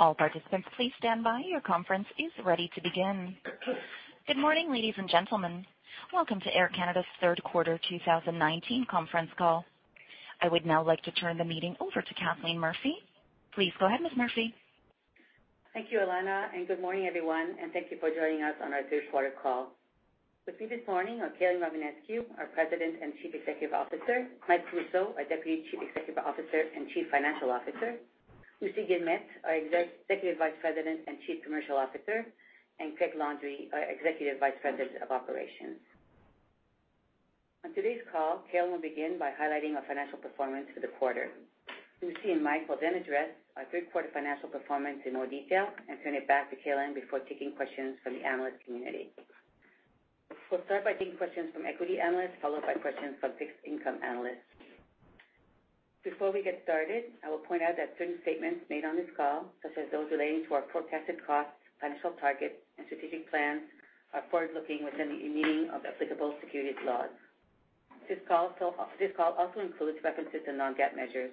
All participants, please stand by. Your conference is ready to begin. Good morning, ladies and gentlemen. Welcome to Air Canada's third quarter 2019 conference call. I would now like to turn the meeting over to Kathleen Murphy. Please go ahead, Ms. Murphy. Thank you, Alana. Good morning, everyone, and thank you for joining us on our third quarter call. With me this morning are Calin Rovinescu, our President and Chief Executive Officer, Mike Rousseau, our Deputy Chief Executive Officer and Chief Financial Officer, Lucie Guillemette, our Executive Vice President and Chief Commercial Officer, and Craig Landry, our Executive Vice President of Operations. On today's call, Calin will begin by highlighting our financial performance for the quarter. Lucie and Mike will then address our third quarter financial performance in more detail and turn it back to Calin before taking questions from the analyst community. We'll start by taking questions from equity analysts, followed by questions from fixed income analysts. Before we get started, I will point out that certain statements made on this call, such as those relating to our forecasted costs, financial targets, and strategic plans, are forward-looking within the meaning of applicable securities laws. This call also includes references to non-GAAP measures.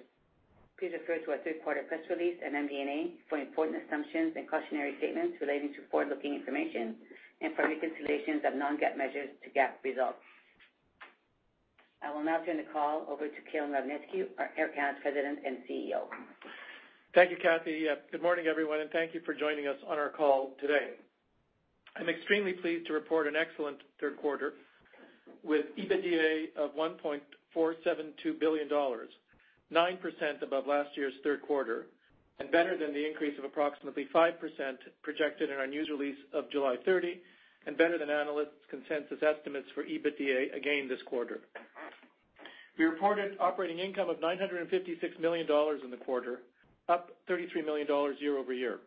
Please refer to our third quarter press release and MD&A for important assumptions and cautionary statements relating to forward-looking information, and for reconciliations of non-GAAP measures to GAAP results. I will now turn the call over to Calin Rovinescu, our Air Canada President and CEO. Thank you, Kathy. Good morning, everyone, and thank you for joining us on our call today. I'm extremely pleased to report an excellent third quarter with EBITDA of 1.472 billion dollars, 9% above last year's third quarter, and better than the increase of approximately 5% projected in our news release of July 30, and better than analysts' consensus estimates for EBITDA again this quarter. We reported operating income of 956 million dollars in the quarter, up 33 million dollars year-over-year.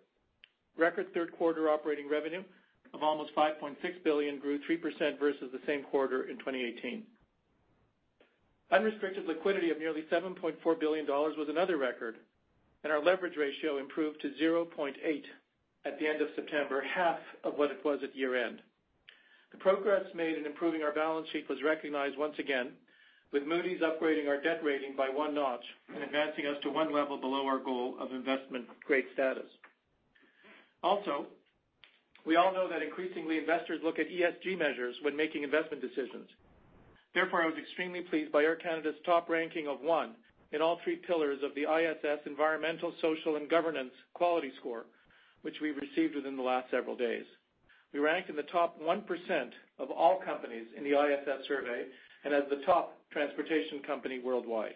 Record third quarter operating revenue of almost 5.6 billion grew 3% versus the same quarter in 2018. Unrestricted liquidity of nearly 7.4 billion dollars was another record, and our leverage ratio improved to 0.8 at the end of September, half of what it was at year-end. The progress made in improving our balance sheet was recognized once again, with Moody's upgrading our debt rating by 1 notch and advancing us to 1 level below our goal of investment-grade status. We all know that increasingly investors look at ESG measures when making investment decisions. I was extremely pleased by Air Canada's top ranking of 1 in all three pillars of the ISS Environmental, Social, and Governance quality score, which we received within the last several days. We ranked in the top 1% of all companies in the ISS survey and as the top transportation company worldwide.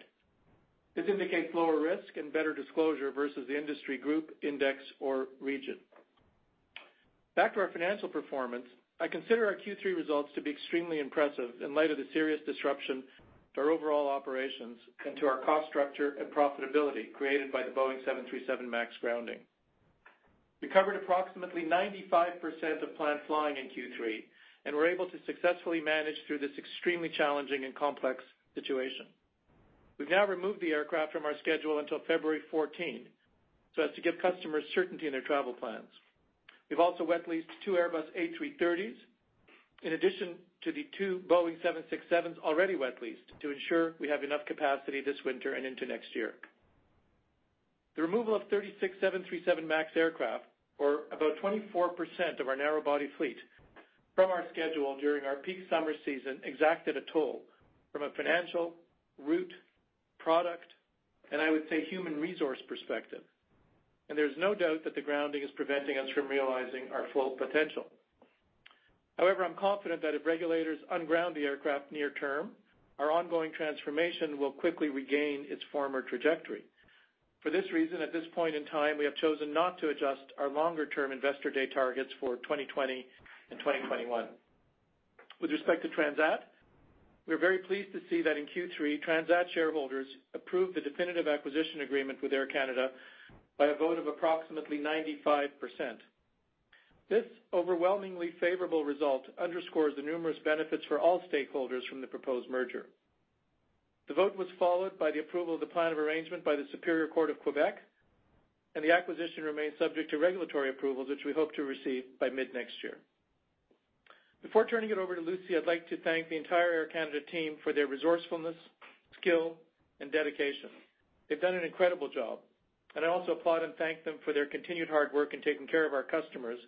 This indicates lower risk and better disclosure versus the industry group, index, or region. Back to our financial performance. I consider our Q3 results to be extremely impressive in light of the serious disruption to our overall operations and to our cost structure and profitability created by the Boeing 737 MAX grounding. We covered approximately 95% of planned flying in Q3 and were able to successfully manage through this extremely challenging and complex situation. We've now removed the aircraft from our schedule until February 14, so as to give customers certainty in their travel plans. We've also wet leased two Airbus A330s in addition to the two Boeing 767s already wet leased to ensure we have enough capacity this winter and into next year. The removal of 36 737 MAX aircraft, or about 24% of our narrow-body fleet, from our schedule during our peak summer season exacted a toll from a financial, route, product, and I would say human resource perspective, and there's no doubt that the grounding is preventing us from realizing our full potential. I'm confident that if regulators unground the aircraft near term, our ongoing transformation will quickly regain its former trajectory. At this point in time, we have chosen not to adjust our longer-term investor day targets for 2020 and 2021. We are very pleased to see that in Q3, Transat shareholders approved the definitive acquisition agreement with Air Canada by a vote of approximately 95%. This overwhelmingly favorable result underscores the numerous benefits for all stakeholders from the proposed merger. The vote was followed by the approval of the plan of arrangement by the Superior Court of Quebec. The acquisition remains subject to regulatory approvals, which we hope to receive by mid next year. Before turning it over to Lucie, I'd like to thank the entire Air Canada team for their resourcefulness, skill, and dedication. They've done an incredible job, and I also applaud and thank them for their continued hard work in taking care of our customers,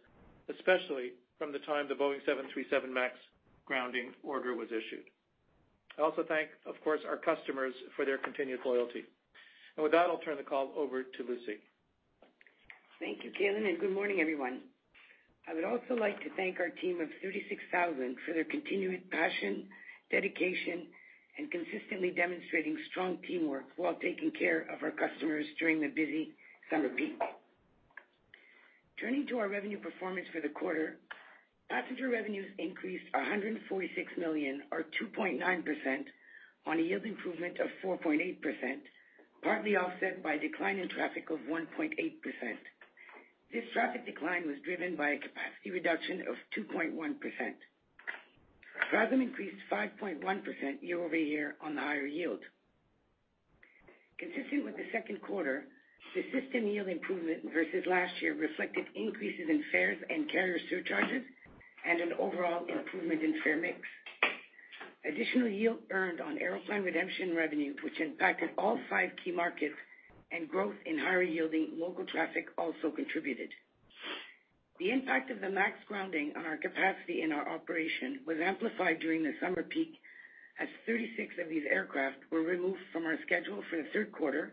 especially from the time the Boeing 737 MAX grounding order was issued. I also thank, of course, our customers for their continued loyalty. With that, I'll turn the call over to Lucie. Thank you, Calin, and good morning, everyone. I would also like to thank our team of 36,000 for their continued passion, dedication, and consistently demonstrating strong teamwork while taking care of our customers during the busy summer peak. Turning to our revenue performance for the quarter, passenger revenues increased 146 million, or 2.9%, on a yield improvement of 4.8%, partly offset by a decline in traffic of 1.8%. This traffic decline was driven by a capacity reduction of 2.1%. Traffic increased 5.1% year-over-year on the higher yield. Consistent with the second quarter, the system yield improvement versus last year reflected increases in fares and carrier surcharges and an overall improvement in fare mix. Additional yield earned on Aeroplan redemption revenue, which impacted all five key markets and growth in higher-yielding local traffic, also contributed. The impact of the MAX grounding on our capacity in our operation was amplified during the summer peak, as 36 of these aircraft were removed from our schedule for the third quarter,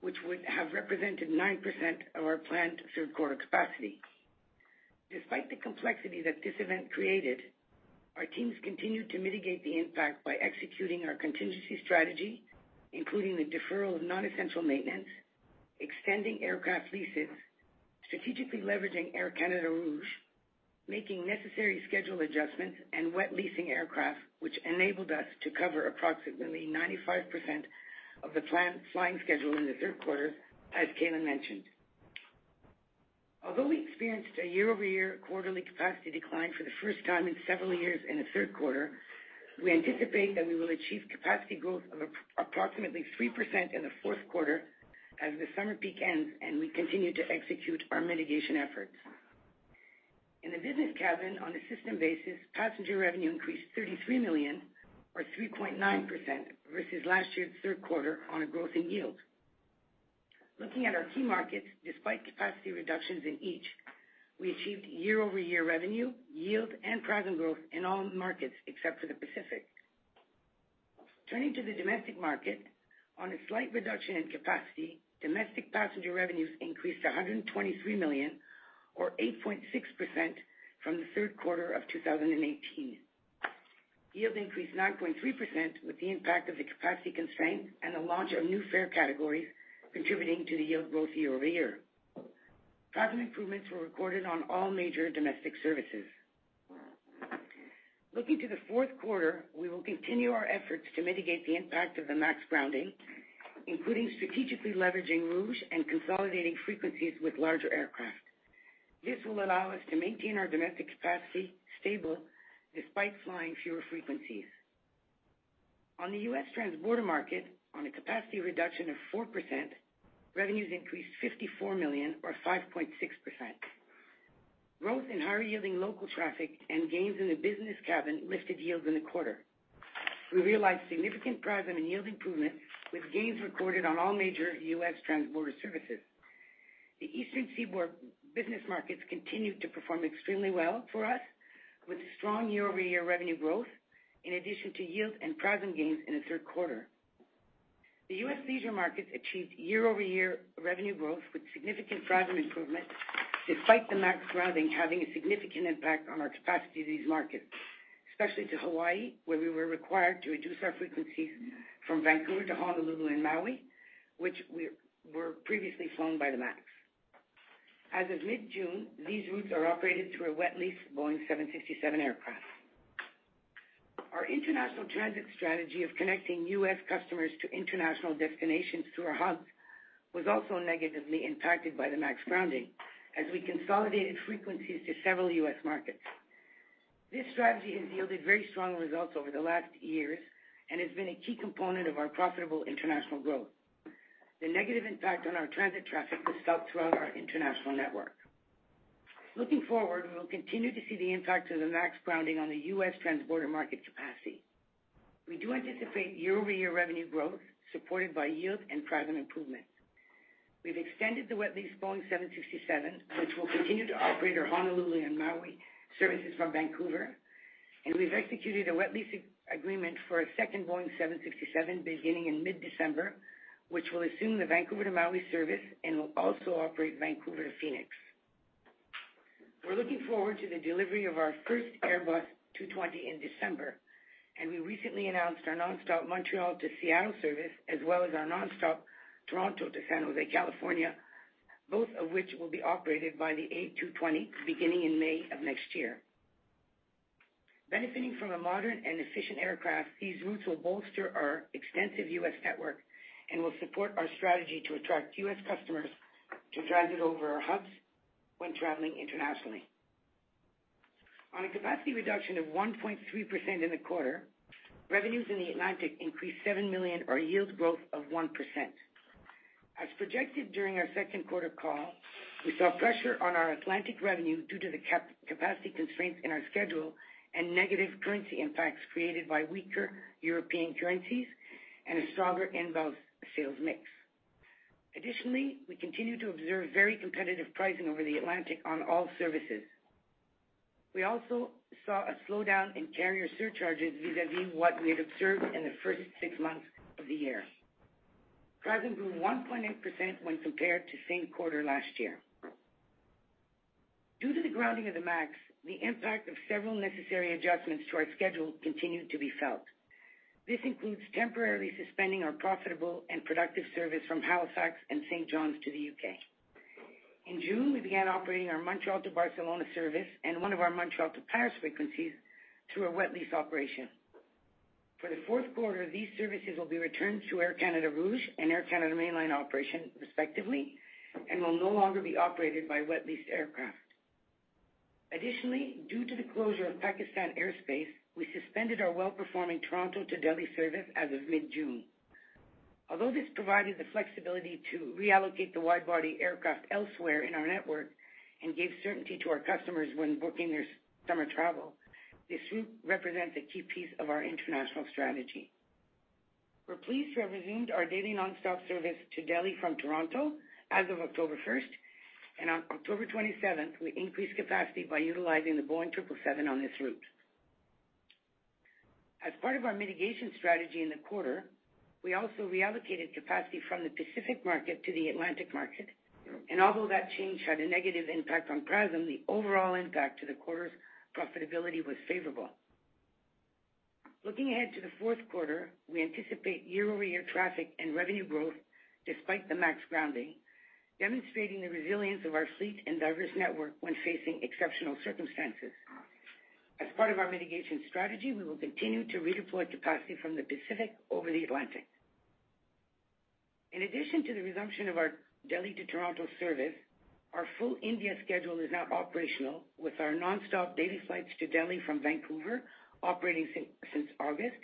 which would have represented 9% of our planned third quarter capacity. Despite the complexity that this event created, our teams continued to mitigate the impact by executing our contingency strategy, including the deferral of non-essential maintenance, extending aircraft leases, strategically leveraging Air Canada Rouge, making necessary schedule adjustments, and wet leasing aircraft, which enabled us to cover approximately 95% of the planned flying schedule in the third quarter, as Calin mentioned. Although we experienced a year-over-year quarterly capacity decline for the first time in several years in the third quarter, we anticipate that we will achieve capacity growth of approximately 3% in the fourth quarter as the summer peak ends and we continue to execute our mitigation efforts. In the business cabin, on a system basis, passenger revenue increased 33 million, or 3.9%, versus last year's third quarter on a growth in yield. Looking at our key markets, despite capacity reductions in each, we achieved year-over-year revenue, yield, and PRASM growth in all markets except for the Pacific. Turning to the domestic market, on a slight reduction in capacity, domestic passenger revenues increased to 123 million, or 8.6%, from the third quarter of 2018. Yield increased 9.3% with the impact of the capacity constraint and the launch of new fare categories contributing to the yield growth year-over-year. PRASM improvements were recorded on all major domestic services. Looking to the fourth quarter, we will continue our efforts to mitigate the impact of the MAX grounding, including strategically leveraging Rouge and consolidating frequencies with larger aircraft. This will allow us to maintain our domestic capacity stable despite flying fewer frequencies. On the U.S. transborder market, on a capacity reduction of 4%, revenues increased 54 million, or 5.6%. Growth in higher-yielding local traffic and gains in the business cabin lifted yields in the quarter. We realized significant PRASM and yield improvement with gains recorded on all major U.S. transborder services. The Eastern Seaboard business markets continued to perform extremely well for us with strong year-over-year revenue growth in addition to yield and PRASM gains in the third quarter. The U.S. leisure markets achieved year-over-year revenue growth with significant PRASM improvement, despite the MAX grounding having a significant impact on our capacity to these markets, especially to Hawaii, where we were required to reduce our frequencies from Vancouver to Honolulu and Maui, which were previously flown by the MAX. As of mid-June, these routes are operated through a wet-leased Boeing 767 aircraft. Our international transit strategy of connecting U.S. customers to international destinations through our hubs was also negatively impacted by the MAX grounding as we consolidated frequencies to several U.S. markets. This strategy has yielded very strong results over the last years and has been a key component of our profitable international growth. The negative impact on our transit traffic was felt throughout our international network. Looking forward, we will continue to see the impact of the MAX grounding on the U.S. transborder market capacity. We do anticipate year-over-year revenue growth supported by yield and PRASM improvement. We've extended the wet leased Boeing 767, which will continue to operate our Honolulu and Maui services from Vancouver, and we've executed a wet lease agreement for a second Boeing 767 beginning in mid-December, which will assume the Vancouver to Maui service and will also operate Vancouver to Phoenix. We're looking forward to the delivery of our first Airbus A220 in December, and we recently announced our non-stop Montreal to Seattle service, as well as our non-stop Toronto to San Jose, California, both of which will be operated by the A220 beginning in May of next year. Benefiting from a modern and efficient aircraft, these routes will bolster our extensive U.S. network and will support our strategy to attract U.S. customers to transit over our hubs when traveling internationally. On a capacity reduction of 1.3% in the quarter, revenues in the Atlantic increased 7 million or a yield growth of 1%. As projected during our second quarter call, we saw pressure on our Atlantic revenue due to the capacity constraints in our schedule and negative currency impacts created by weaker European currencies and a stronger inbound sales mix. Additionally, we continue to observe very competitive pricing over the Atlantic on all services. We also saw a slowdown in carrier surcharges vis-a-vis what we had observed in the first six months of the year. PRASM grew 1.8% when compared to same quarter last year. Due to the grounding of the MAX, the impact of several necessary adjustments to our schedule continued to be felt. This includes temporarily suspending our profitable and productive service from Halifax and St. John's to the U.K. In June, we began operating our Montreal to Barcelona service and one of our Montreal to Paris frequencies through a wet lease operation. For the fourth quarter, these services will be returned to Air Canada Rouge and Air Canada Mainline operations respectively and will no longer be operated by wet leased aircraft. Due to the closure of Pakistan airspace, we suspended our well-performing Toronto to Delhi service as of mid-June. This provided the flexibility to reallocate the wide-body aircraft elsewhere in our network and gave certainty to our customers when booking their summer travel, this route represents a key piece of our international strategy. We're pleased to have resumed our daily nonstop service to Delhi from Toronto as of October 1st. On October 27th, we increased capacity by utilizing the Boeing 777 on this route. As part of our mitigation strategy in the quarter, we also reallocated capacity from the Pacific market to the Atlantic market. Although that change had a negative impact on PRASM, the overall impact to the quarter's profitability was favorable. Looking ahead to the fourth quarter, we anticipate year-over-year traffic and revenue growth despite the MAX grounding, demonstrating the resilience of our fleet and diverse network when facing exceptional circumstances. As part of our mitigation strategy, we will continue to redeploy capacity from the Pacific over the Atlantic. In addition to the resumption of our Delhi to Toronto service, our full India schedule is now operational with our nonstop daily flights to Delhi from Vancouver operating since August,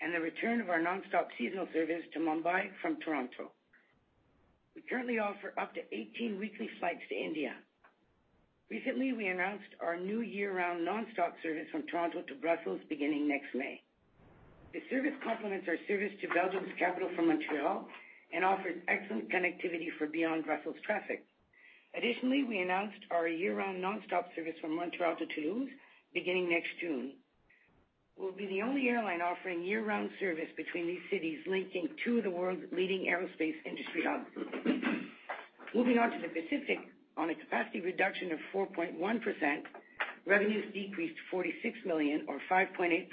and the return of our nonstop seasonal service to Mumbai from Toronto. We currently offer up to 18 weekly flights to India. Recently, we announced our new year-round nonstop service from Toronto to Brussels beginning next May. The service complements our service to Belgium's capital from Montreal and offers excellent connectivity for beyond Brussels traffic. Additionally, we announced our year-round nonstop service from Montreal to Toulouse beginning next June. We'll be the only airline offering year-round service between these cities, linking two of the world's leading aerospace industry hubs. Moving on to the Pacific, on a capacity reduction of 4.1%, revenues decreased to 46 million, or 5.8%,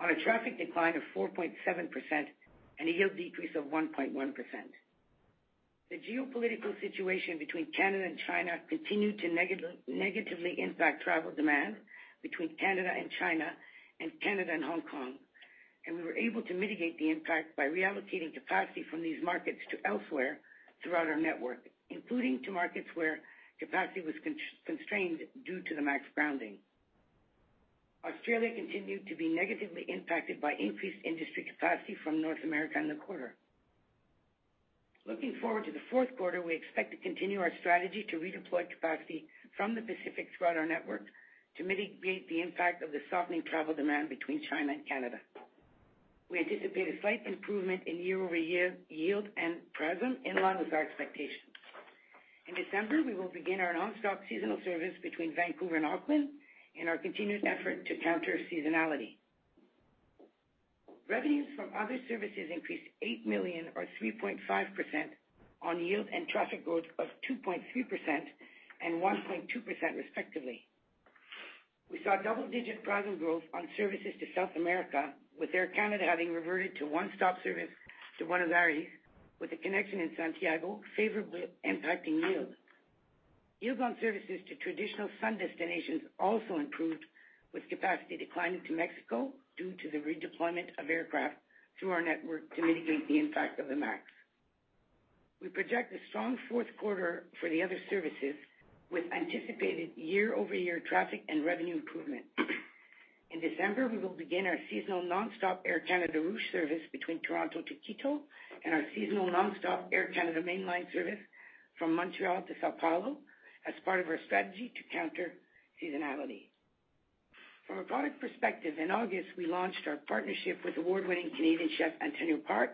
on a traffic decline of 4.7% and a yield decrease of 1.1%. The geopolitical situation between Canada and China continued to negatively impact travel demand between Canada and China and Canada and Hong Kong. We were able to mitigate the impact by reallocating capacity from these markets to elsewhere throughout our network, including to markets where capacity was constrained due to the MAX grounding. Australia continued to be negatively impacted by increased industry capacity from North America in the quarter. Looking forward to the fourth quarter, we expect to continue our strategy to redeploy capacity from the Pacific throughout our network to mitigate the impact of the softening travel demand between China and Canada. We anticipate a slight improvement in year-over-year yield and PRASM in line with our expectations. In December, we will begin our nonstop seasonal service between Vancouver and Auckland in our continuous effort to counter seasonality. Revenues from other services increased 8 million, or 3.5%, on yield and traffic growth of 2.3% and 1.2% respectively. We saw double-digit PRASM growth on services to South America with Air Canada having reverted to one-stop service to Buenos Aires with a connection in Santiago favorably impacting yield. Yield on services to traditional sun destinations also improved with capacity declining to Mexico due to the redeployment of aircraft through our network to mitigate the impact of the MAX. We project a strong fourth quarter for the other services with anticipated year-over-year traffic and revenue improvement. In December, we will begin our seasonal nonstop Air Canada Rouge service between Toronto to Quito and our seasonal nonstop Air Canada Mainline service from Montreal to São Paulo as part of our strategy to counter seasonality. From a product perspective, in August, we launched our partnership with award-winning Canadian Chef Antonio Park,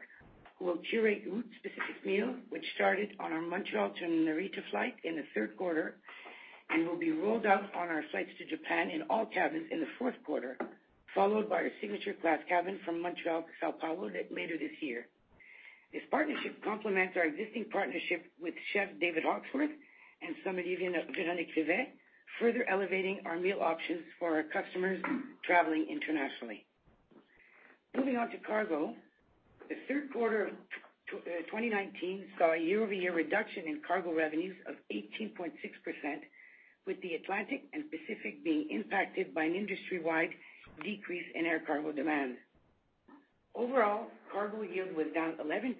who will curate route-specific meal, which started on our Montreal to Narita flight in the third quarter and will be rolled out on our flights to Japan in all cabins in the fourth quarter, followed by our Signature Class cabin from Montreal to São Paulo later this year. This partnership complements our existing partnership with Chef David Hawksworth and Sommelier Véronique Rivest, further elevating our meal options for our customers traveling internationally. Moving on to cargo. The third quarter of 2019 saw a year-over-year reduction in cargo revenues of 18.6%, with the Atlantic and Pacific being impacted by an industry-wide decrease in air cargo demand. Overall, cargo yield was down 11.5%,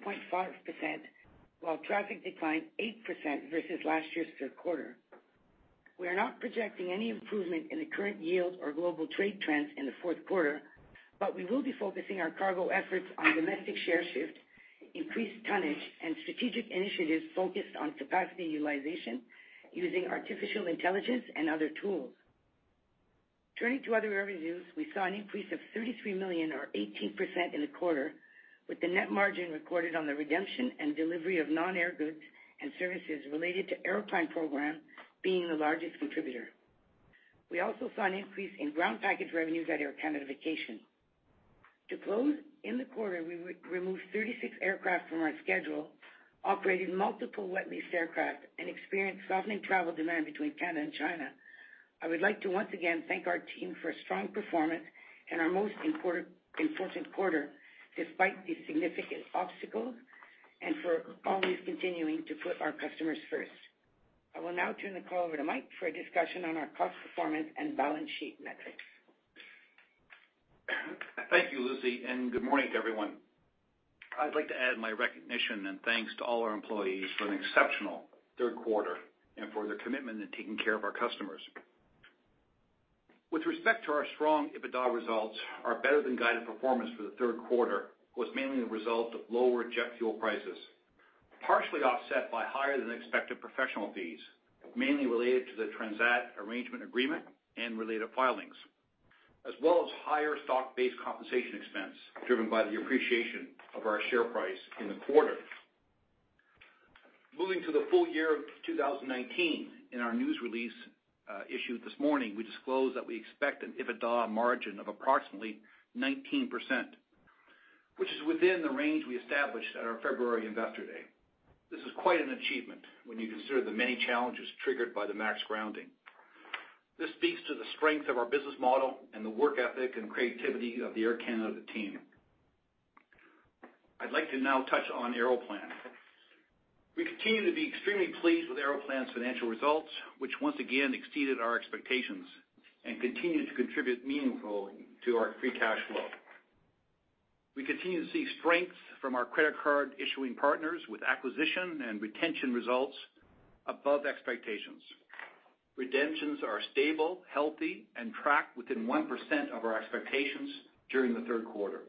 while traffic declined 8% versus last year's third quarter. We are not projecting any improvement in the current yield or global trade trends in the fourth quarter, but we will be focusing our cargo efforts on domestic share shift, increased tonnage, and strategic initiatives focused on capacity utilization using artificial intelligence and other tools. Turning to other revenues, we saw an increase of 33 million, or 18%, in the quarter, with the net margin recorded on the redemption and delivery of non-air goods and services related to Aeroplan program being the largest contributor. We also saw an increase in ground package revenues at Air Canada Vacations. To close, in the quarter, we removed 36 aircraft from our schedule, operating multiple wet-leased aircraft, and experienced softening travel demand between Canada and China. I would like to once again thank our team for a strong performance in our most important quarter despite these significant obstacles and for always continuing to put our customers first. I will now turn the call over to Mike for a discussion on our cost performance and balance sheet metrics. Thank you, Lucie, and good morning to everyone. I'd like to add my recognition and thanks to all our employees for an exceptional third quarter and for their commitment in taking care of our customers. With respect to our strong EBITDA results, our better-than-guided performance for the third quarter was mainly the result of lower jet fuel prices, partially offset by higher-than-expected professional fees, mainly related to the Transat arrangement agreement and related filings, as well as higher stock-based compensation expense driven by the appreciation of our share price in the quarter. Moving to the full year of 2019, in our news release issued this morning, we disclosed that we expect an EBITDA margin of approximately 19%, which is within the range we established at our February investor day. This is quite an achievement when you consider the many challenges triggered by the MAX grounding. This speaks to the strength of our business model and the work ethic and creativity of the Air Canada team. I'd like to now touch on Aeroplan. We continue to be extremely pleased with Aeroplan's financial results, which once again exceeded our expectations and continue to contribute meaningfully to our free cash flow. We continue to see strength from our credit card issuing partners with acquisition and retention results above expectations. Redemptions are stable, healthy, and tracked within 1% of our expectations during the third quarter.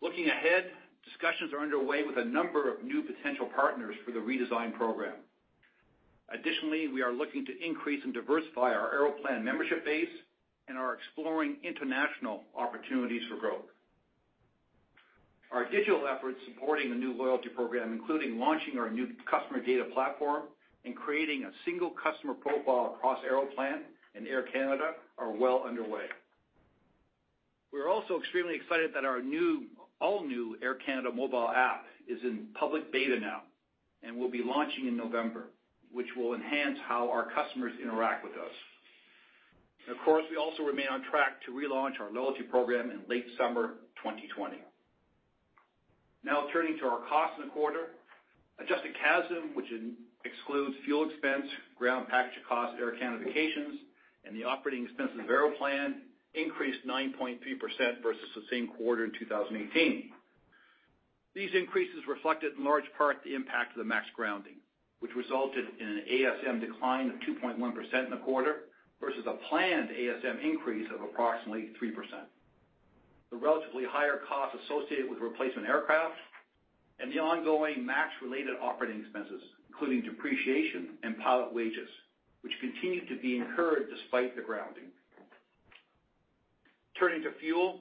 Looking ahead, discussions are underway with a number of new potential partners for the redesign program. We are looking to increase and diversify our Aeroplan membership base and are exploring international opportunities for growth. Our digital efforts supporting the new loyalty program, including launching our new customer data platform and creating a single customer profile across Aeroplan and Air Canada, are well underway. We're also extremely excited that our all-new Air Canada mobile app is in public beta now and will be launching in November, which will enhance how our customers interact with us. Of course, we also remain on track to relaunch our loyalty program in late summer 2020. Now turning to our costs in the quarter. Adjusted CASM, which excludes fuel expense, ground package cost, Air Canada Vacations, and the operating expenses of Aeroplan, increased 9.3% versus the same quarter in 2018. These increases reflected in large part the impact of the MAX grounding, which resulted in an ASM decline of 2.1% in the quarter versus a planned ASM increase of approximately 3%, the relatively higher costs associated with replacement aircraft and the ongoing MAX-related operating expenses, including depreciation and pilot wages, which continued to be incurred despite the grounding. Turning to fuel.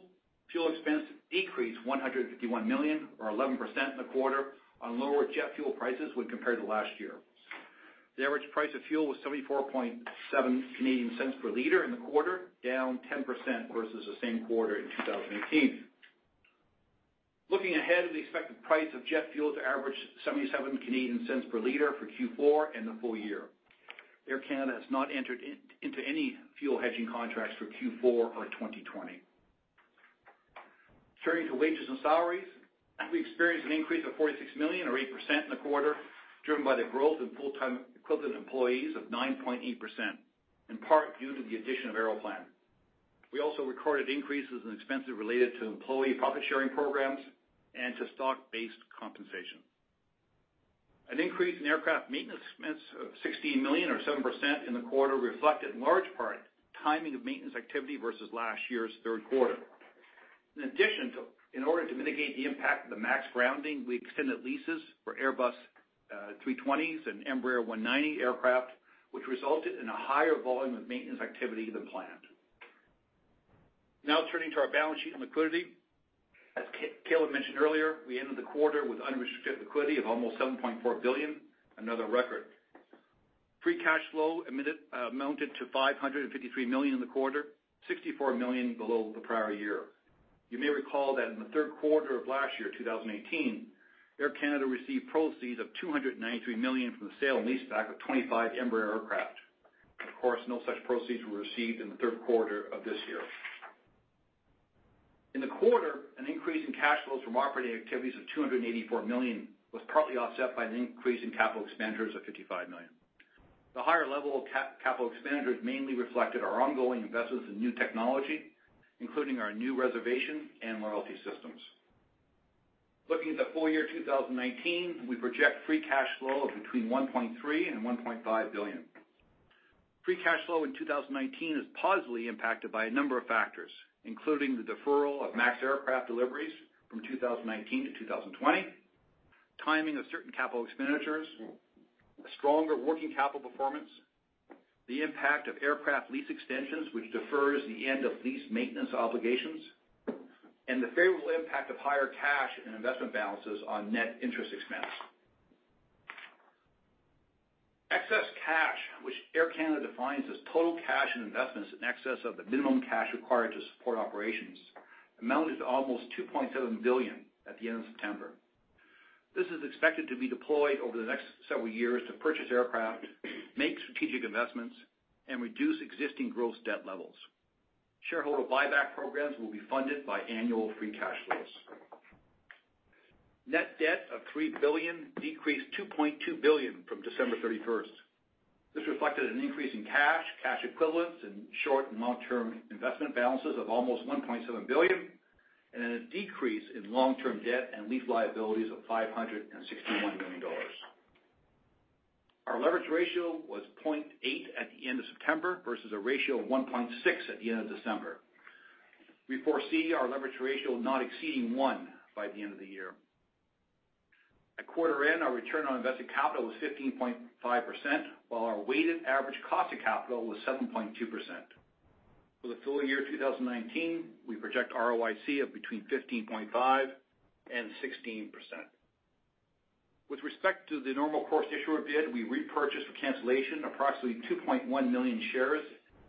Fuel expense decreased 151 million or 11% in the quarter on lower jet fuel prices when compared to last year. The average price of fuel was 0.747 per liter in the quarter, down 10% versus the same quarter in 2018. Looking ahead, we expect the price of jet fuel to average 0.77 per liter for Q4 and the full year. Air Canada has not entered into any fuel hedging contracts for Q4 or 2020. Turning to wages and salaries. We experienced an increase of 46 million or 8% in the quarter, driven by the growth in full-time equivalent employees of 9.8%, in part due to the addition of Aeroplan. We also recorded increases in expenses related to employee profit-sharing programs and to stock-based compensation. An increase in aircraft maintenance expense of 16 million or 7% in the quarter reflected in large part timing of maintenance activity versus last year's third quarter. In order to mitigate the impact of the MAX grounding, we extended leases for Airbus A320s and Embraer 190 aircraft, which resulted in a higher volume of maintenance activity than planned. Turning to our balance sheet and liquidity. As Calin mentioned earlier, we ended the quarter with unrestricted liquidity of almost 7.4 billion, another record. Free cash flow amounted to 553 million in the quarter, 64 million below the prior year. You may recall that in the third quarter of last year, 2018, Air Canada received proceeds of 293 million from the sale and leaseback of 25 Embraer aircraft. No such proceeds were received in the third quarter of this year. In the quarter, an increase in cash flows from operating activities of 284 million was partly offset by an increase in capital expenditures of 55 million. The higher level of capital expenditures mainly reflected our ongoing investments in new technology, including our new reservation and loyalty systems. Looking at the full year 2019, we project free cash flow of between 1.3 billion and 1.5 billion. Free cash flow in 2019 is positively impacted by a number of factors, including the deferral of MAX aircraft deliveries from 2019 to 2020, timing of certain capital expenditures, a stronger working capital performance, the impact of aircraft lease extensions, which defers the end of lease maintenance obligations, and the favorable impact of higher cash and investment balances on net interest expense. Excess cash, which Air Canada defines as total cash and investments in excess of the minimum cash required to support operations, amounted to almost 2.7 billion at the end of September. This is expected to be deployed over the next several years to purchase aircraft, make strategic investments, and reduce existing gross debt levels. Shareholder buyback programs will be funded by annual free cash flows. Net debt of 3 billion decreased 2.2 billion from December 31st. This reflected an increase in cash equivalents in short and long-term investment balances of almost CAD 1.7 billion, and a decrease in long-term debt and lease liabilities of 561 million dollars. Our leverage ratio was 0.8 at the end of September versus a ratio of 1.6 at the end of December. We foresee our leverage ratio not exceeding one by the end of the year. At quarter end, our return on invested capital was 15.5%, while our weighted average cost of capital was 7.2%. For the full year 2019, we project ROIC of between 15.5% and 16%. With respect to the normal course issuer bid, we repurchased for cancellation approximately 2.1 million shares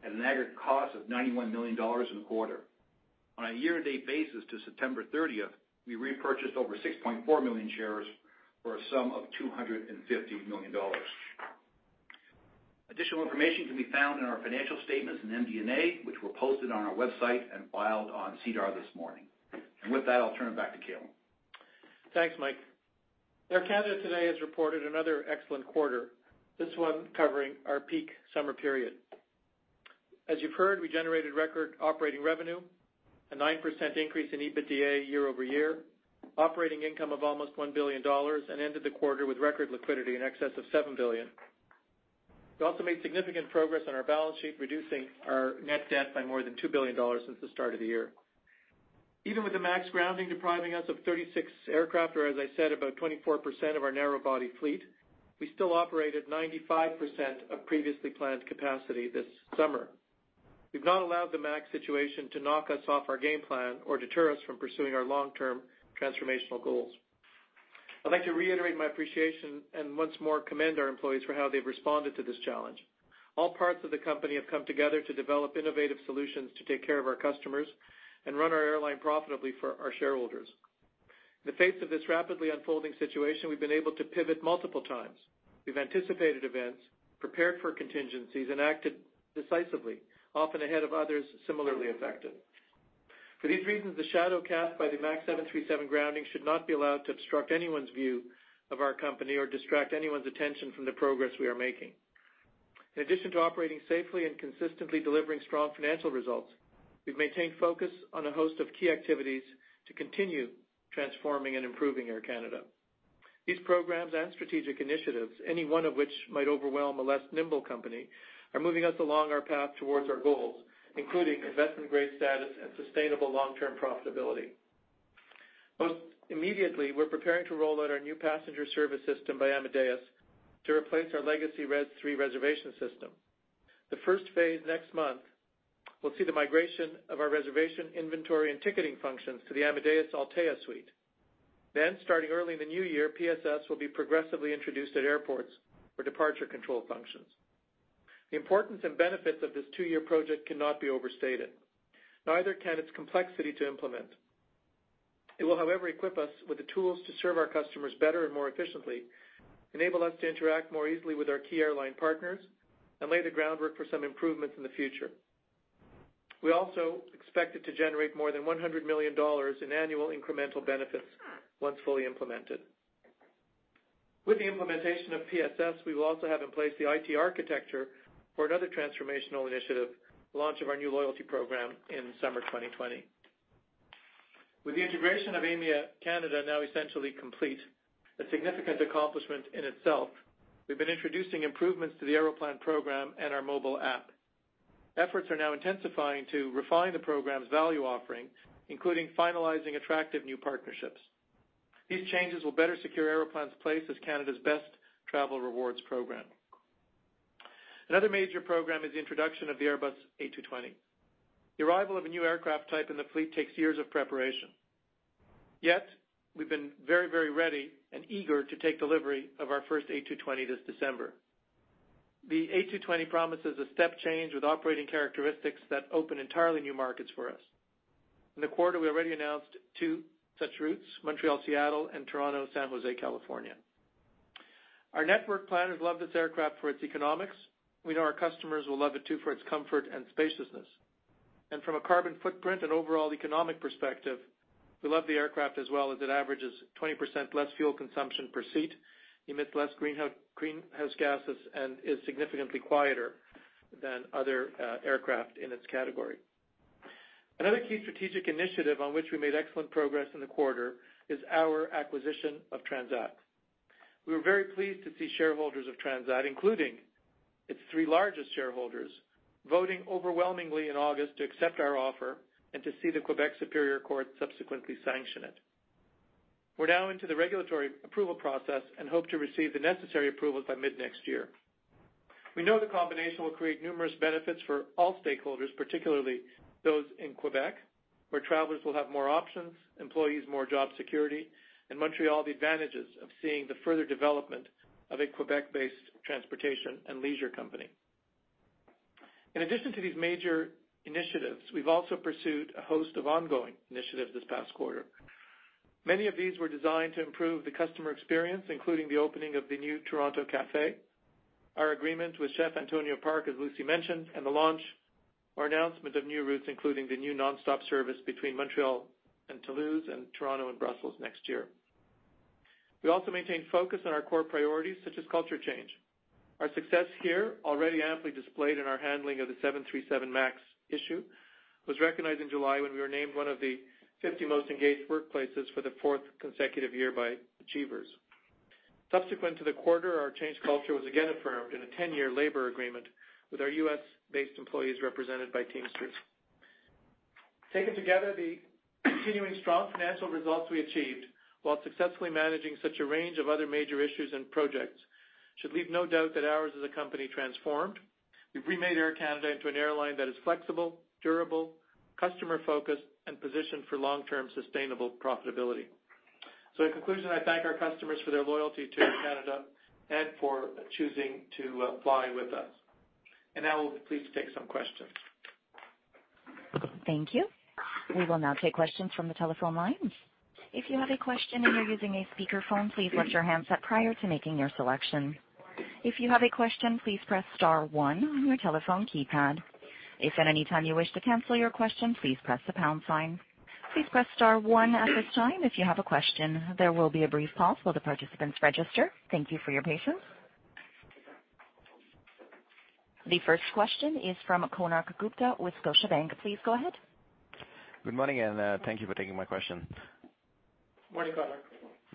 at an aggregate cost of 91 million dollars in the quarter. On a year-to-date basis to September 30th, we repurchased over 6.4 million shares for a sum of 250 million dollars. Additional information can be found in our financial statements and MD&A, which were posted on our website and filed on SEDAR this morning. With that, I'll turn it back to Calin. Thanks, Mike. Air Canada today has reported another excellent quarter, this one covering our peak summer period. As you've heard, we generated record operating revenue, a 9% increase in EBITDA year-over-year, operating income of almost 1 billion dollars, and ended the quarter with record liquidity in excess of 7 billion. We also made significant progress on our balance sheet, reducing our net debt by more than 2 billion dollars since the start of the year. Even with the MAX grounding depriving us of 36 aircraft, or as I said, about 24% of our narrow-body fleet, we still operated 95% of previously planned capacity this summer. We've not allowed the MAX situation to knock us off our game plan or deter us from pursuing our long-term transformational goals. I'd like to reiterate my appreciation and once more commend our employees for how they've responded to this challenge. All parts of the company have come together to develop innovative solutions to take care of our customers and run our airline profitably for our shareholders. In the face of this rapidly unfolding situation, we've been able to pivot multiple times. We've anticipated events, prepared for contingencies, and acted decisively, often ahead of others similarly affected. For these reasons, the shadow cast by the MAX 737 grounding should not be allowed to obstruct anyone's view of our company or distract anyone's attention from the progress we are making. In addition to operating safely and consistently delivering strong financial results, we've maintained focus on a host of key activities to continue transforming and improving Air Canada. These programs and strategic initiatives, any one of which might overwhelm a less nimble company, are moving us along our path towards our goals, including investment-grade status and sustainable long-term profitability. Most immediately, we're preparing to roll out our new passenger service system by Amadeus to replace our legacy RED3 reservation system. The first phase next month will see the migration of our reservation inventory and ticketing functions to the Amadeus Altéa Suite. Starting early in the new year, PSS will be progressively introduced at airports for departure control functions. The importance and benefits of this two-year project cannot be overstated. Neither can its complexity to implement. It will, however, equip us with the tools to serve our customers better and more efficiently, enable us to interact more easily with our key airline partners, and lay the groundwork for some improvements in the future. We also expect it to generate more than 100 million dollars in annual incremental benefits once fully implemented. With the implementation of PSS, we will also have in place the IT architecture for another transformational initiative, launch of our new loyalty program in summer 2020. With the integration of Aimia Canada now essentially complete, a significant accomplishment in itself, we've been introducing improvements to the Aeroplan program and our mobile app. Efforts are now intensifying to refine the program's value offering, including finalizing attractive new partnerships. These changes will better secure Aeroplan's place as Canada's best travel rewards program. Another major program is the introduction of the Airbus A220. The arrival of a new aircraft type in the fleet takes years of preparation. Yet, we've been very ready and eager to take delivery of our first A220 this December. The A220 promises a step change with operating characteristics that open entirely new markets for us. In the quarter, we already announced two such routes, Montreal-Seattle and Toronto-San Jose, California. Our network planners love this aircraft for its economics. We know our customers will love it too for its comfort and spaciousness. From a carbon footprint and overall economic perspective, we love the aircraft as well, as it averages 20% less fuel consumption per seat, emits less greenhouse gases, and is significantly quieter than other aircraft in its category. Another key strategic initiative on which we made excellent progress in the quarter is our acquisition of Transat. We were very pleased to see shareholders of Transat, including its three largest shareholders, voting overwhelmingly in August to accept our offer and to see the Quebec Superior Court subsequently sanction it. We're now into the regulatory approval process and hope to receive the necessary approvals by mid-next year. We know the combination will create numerous benefits for all stakeholders, particularly those in Quebec, where travelers will have more options, employees more job security, and Montreal the advantages of seeing the further development of a Quebec-based transportation and leisure company. In addition to these major initiatives, we've also pursued a host of ongoing initiatives this past quarter. Many of these were designed to improve the customer experience, including the opening of the new Toronto cafe, our agreement with Chef Antonio Park, as Lucie mentioned, and the launch or announcement of new routes, including the new non-stop service between Montreal and Toulouse and Toronto and Brussels next year. We also maintained focus on our core priorities, such as culture change. Our success here, already amply displayed in our handling of the 737 MAX issue, was recognized in July when we were named one of the 50 Most Engaged Workplaces for the fourth consecutive year by Achievers. Subsequent to the quarter, our changed culture was again affirmed in a 10-year labor agreement with our U.S.-based employees represented by Teamsters. Taken together, the continuing strong financial results we achieved while successfully managing such a range of other major issues and projects should leave no doubt that ours is a company transformed. We've remade Air Canada into an airline that is flexible, durable, customer-focused, and positioned for long-term sustainable profitability. In conclusion, I thank our customers for their loyalty to Air Canada and for choosing to fly with us. Now we'll be pleased to take some questions. Thank you. We will now take questions from the telephone lines. If you have a question and you're using a speakerphone, please mute your handset prior to making your selection. If you have a question, please press star one on your telephone keypad. If at any time you wish to cancel your question, please press the pound sign. Please press star one at this time if you have a question. There will be a brief pause while the participants register. Thank you for your patience. The first question is from Konark Gupta with Scotiabank. Please go ahead. Good morning. Thank you for taking my question. Morning, Konark.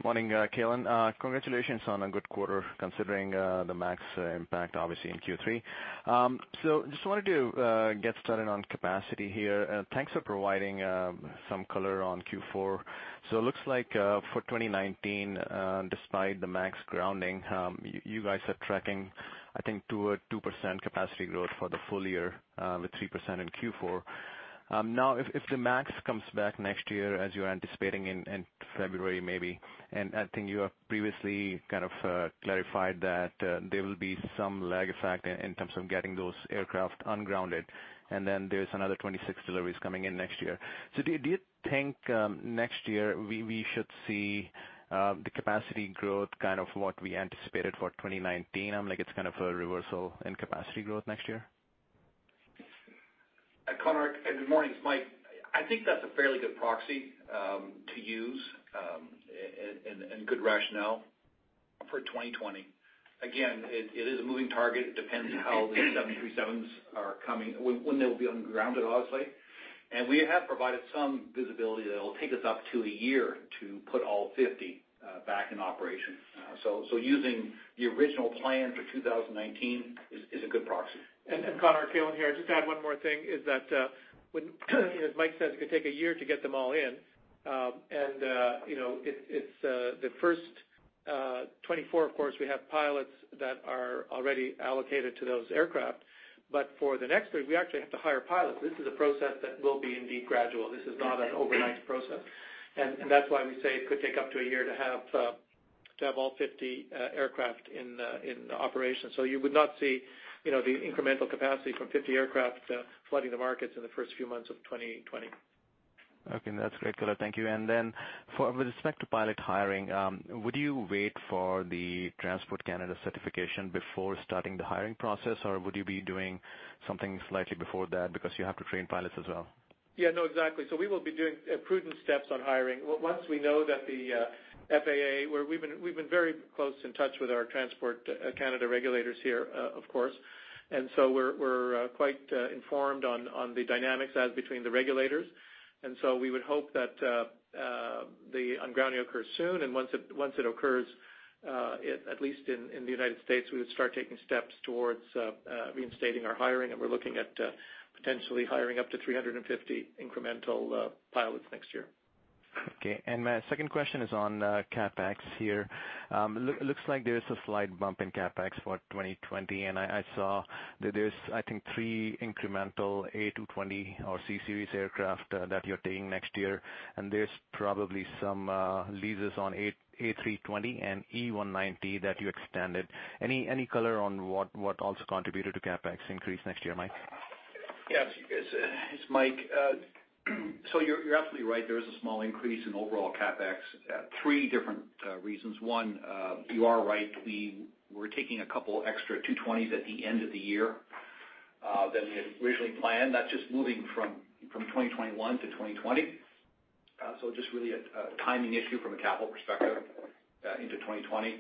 Morning, Calin. Congratulations on a good quarter, considering the Max impact, obviously, in Q3. Just wanted to get started on capacity here. Thanks for providing some color on Q4. It looks like for 2019, despite the Max grounding, you guys are tracking, I think, 2% capacity growth for the full year, with 3% in Q4. If the Max comes back next year as you're anticipating in February maybe, and I think you have previously clarified that there will be some lag effect in terms of getting those aircraft ungrounded, and then there's another 26 deliveries coming in next year. Do you think next year we should see the capacity growth kind of what we anticipated for 2019, like it's kind of a reversal in capacity growth next year? Konark, good morning. It's Mike. I think that's a fairly good proxy to use and good rationale for 2020. Again, it is a moving target. It depends on how the 737s, when they will be ungrounded, obviously. We have provided some visibility that it'll take us up to a year to put all 50 back in operation. Using the original plan for 2019 is a good proxy. Konark, Calin here. Just to add one more thing is that when, as Mike said, it could take a year to get them all in, and the first 24, of course, we have pilots that are already allocated to those aircraft. For the next wave, we actually have to hire pilots. This is a process that will be indeed gradual. This is not an overnight process. That's why we say it could take up to a year to have all 50 aircraft in operation. You would not see the incremental capacity from 50 aircraft flooding the markets in the first few months of 2020. Okay. That's great, Calin. Thank you. With respect to pilot hiring, would you wait for the Transport Canada certification before starting the hiring process, or would you be doing something slightly before that because you have to train pilots as well? Yeah, no, exactly. We will be doing prudent steps on hiring. Once we know that the FAA, where we've been very close in touch with our Transport Canada regulators here, of course, and so we're quite informed on the dynamics as between the regulators, and so we would hope that the ungrounding occurs soon, and once it occurs, at least in the U.S., we would start taking steps towards reinstating our hiring, and we're looking at potentially hiring up to 350 incremental pilots next year. Okay, my second question is on CapEx here. Looks like there is a slight bump in CapEx for 2020, and I saw that there's, I think, three incremental A220 or C Series aircraft that you're taking next year, and there's probably some leases on A320 and E190 that you extended. Any color on what also contributed to CapEx increase next year, Mike? Yes. It's Mike. You're absolutely right, there is a small increase in overall CapEx. Three different reasons. One, you are right, we were taking a couple extra A220s at the end of the year than we had originally planned. That's just moving from 2021 to 2020. Just really a timing issue from a capital perspective into 2020.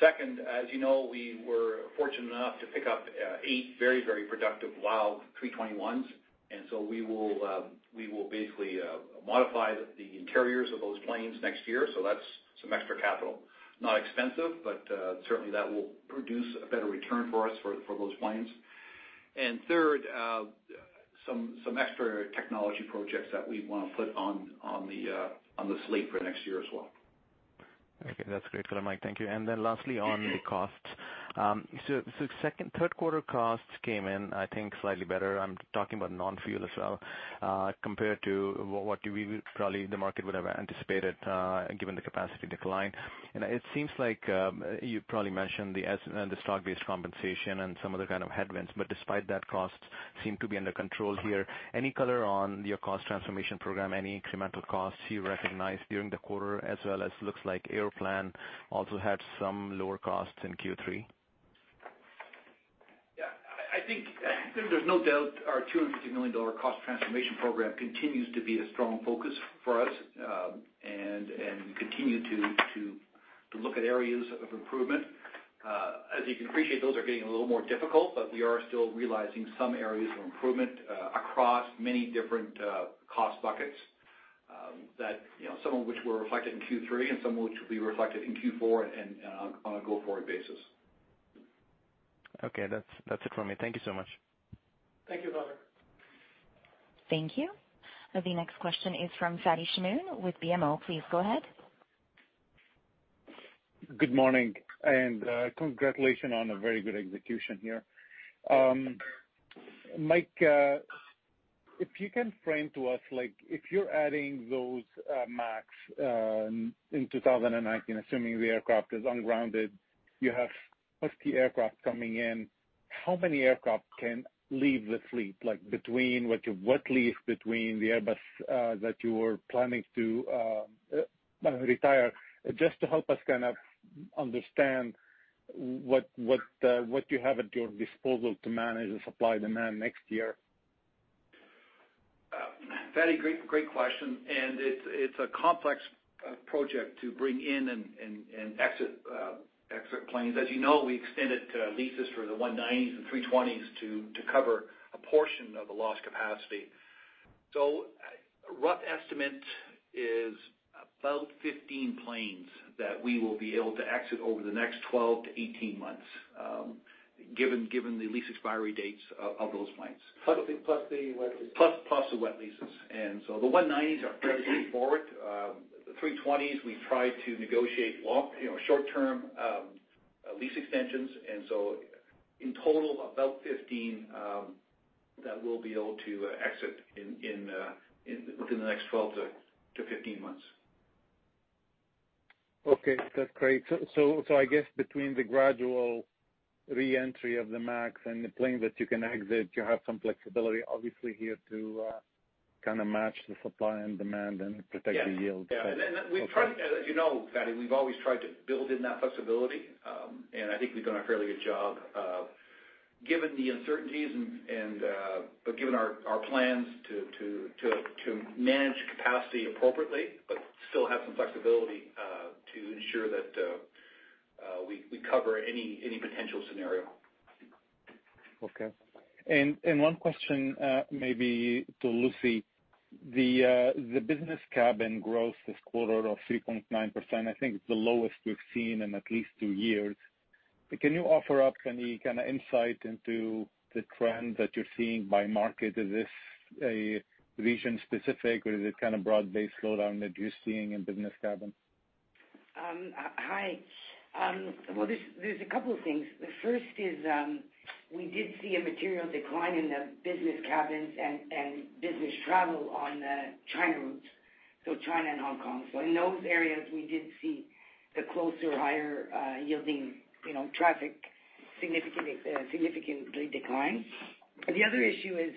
Second, as you know, we were fortunate enough to pick up eight very productive WOW A321s, and so we will basically modify the interiors of those planes next year, so that's some extra capital. Not expensive, certainly that will produce a better return for us for those planes. Third, some extra technology projects that we want to put on the slate for next year as well. Okay, that's great, Calin. Mike, thank you. Lastly on the costs. Third quarter costs came in, I think, slightly better. I'm talking about non-fuel as well, compared to what probably the market would have anticipated given the capacity decline. It seems like you probably mentioned the stock-based compensation and some other kind of headwinds, but despite that, costs seem to be under control here. Any color on your cost transformation program? Any incremental costs you recognized during the quarter, as well as looks like Aeroplan also had some lower costs in Q3? I think there's no doubt our 250 million dollar Cost Transformation Program continues to be a strong focus for us, and we continue to look at areas of improvement. As you can appreciate, those are getting a little more difficult, but we are still realizing some areas of improvement across many different cost buckets that some of which were reflected in Q3 and some of which will be reflected in Q4 and on a go-forward basis. Okay. That's it for me. Thank you so much. Thank you, Konark. Thank you. The next question is from Fadi Chamoun with BMO. Please go ahead. Good morning, congratulations on a very good execution here. Mike, if you can frame to us, if you're adding those MAX in 2019, assuming the aircraft is ungrounded, you have 50 aircraft coming in. How many aircraft can leave the fleet? Like between what you wet lease between the Airbus that you were planning to retire, just to help us kind of understand what you have at your disposal to manage the supply/demand next year. Fadi, great question. It's a complex project to bring in and exit planes. As you know, we extended leases for the 190s and 320s to cover a portion of the lost capacity. Rough estimate is about 15 planes that we will be able to exit over the next 12-18 months, given the lease expiry dates of those planes. Plus the wet leases. Plus the wet leases. The E190s are fairly forward. The A320s, we've tried to negotiate short-term lease extensions, and so in total about 15 that we'll be able to exit within the next 12-15 months. Okay. That's great. I guess between the gradual re-entry of the MAX and the planes that you can exit, you have some flexibility obviously here to kind of match the supply and demand and protect the yield. Yeah. Okay. As you know, Fadi, we've always tried to build in that flexibility. I think we've done a fairly good job of given the uncertainties, but given our plans to manage capacity appropriately, but still have some flexibility to ensure that we cover any potential scenario. Okay. One question maybe to Lucie. The business cabin growth this quarter of 3.9%, I think is the lowest we've seen in at least two years. Can you offer up any kind of insight into the trend that you're seeing by market? Is this region specific or is it kind of broad-based slowdown that you're seeing in business cabins? Hi. Well, there's a couple of things. The first is, we did see a material decline in the business cabins and business travel on the China route, so China and Hong Kong. In those areas, we did see the closer, higher yielding traffic significantly decline. The other issue is,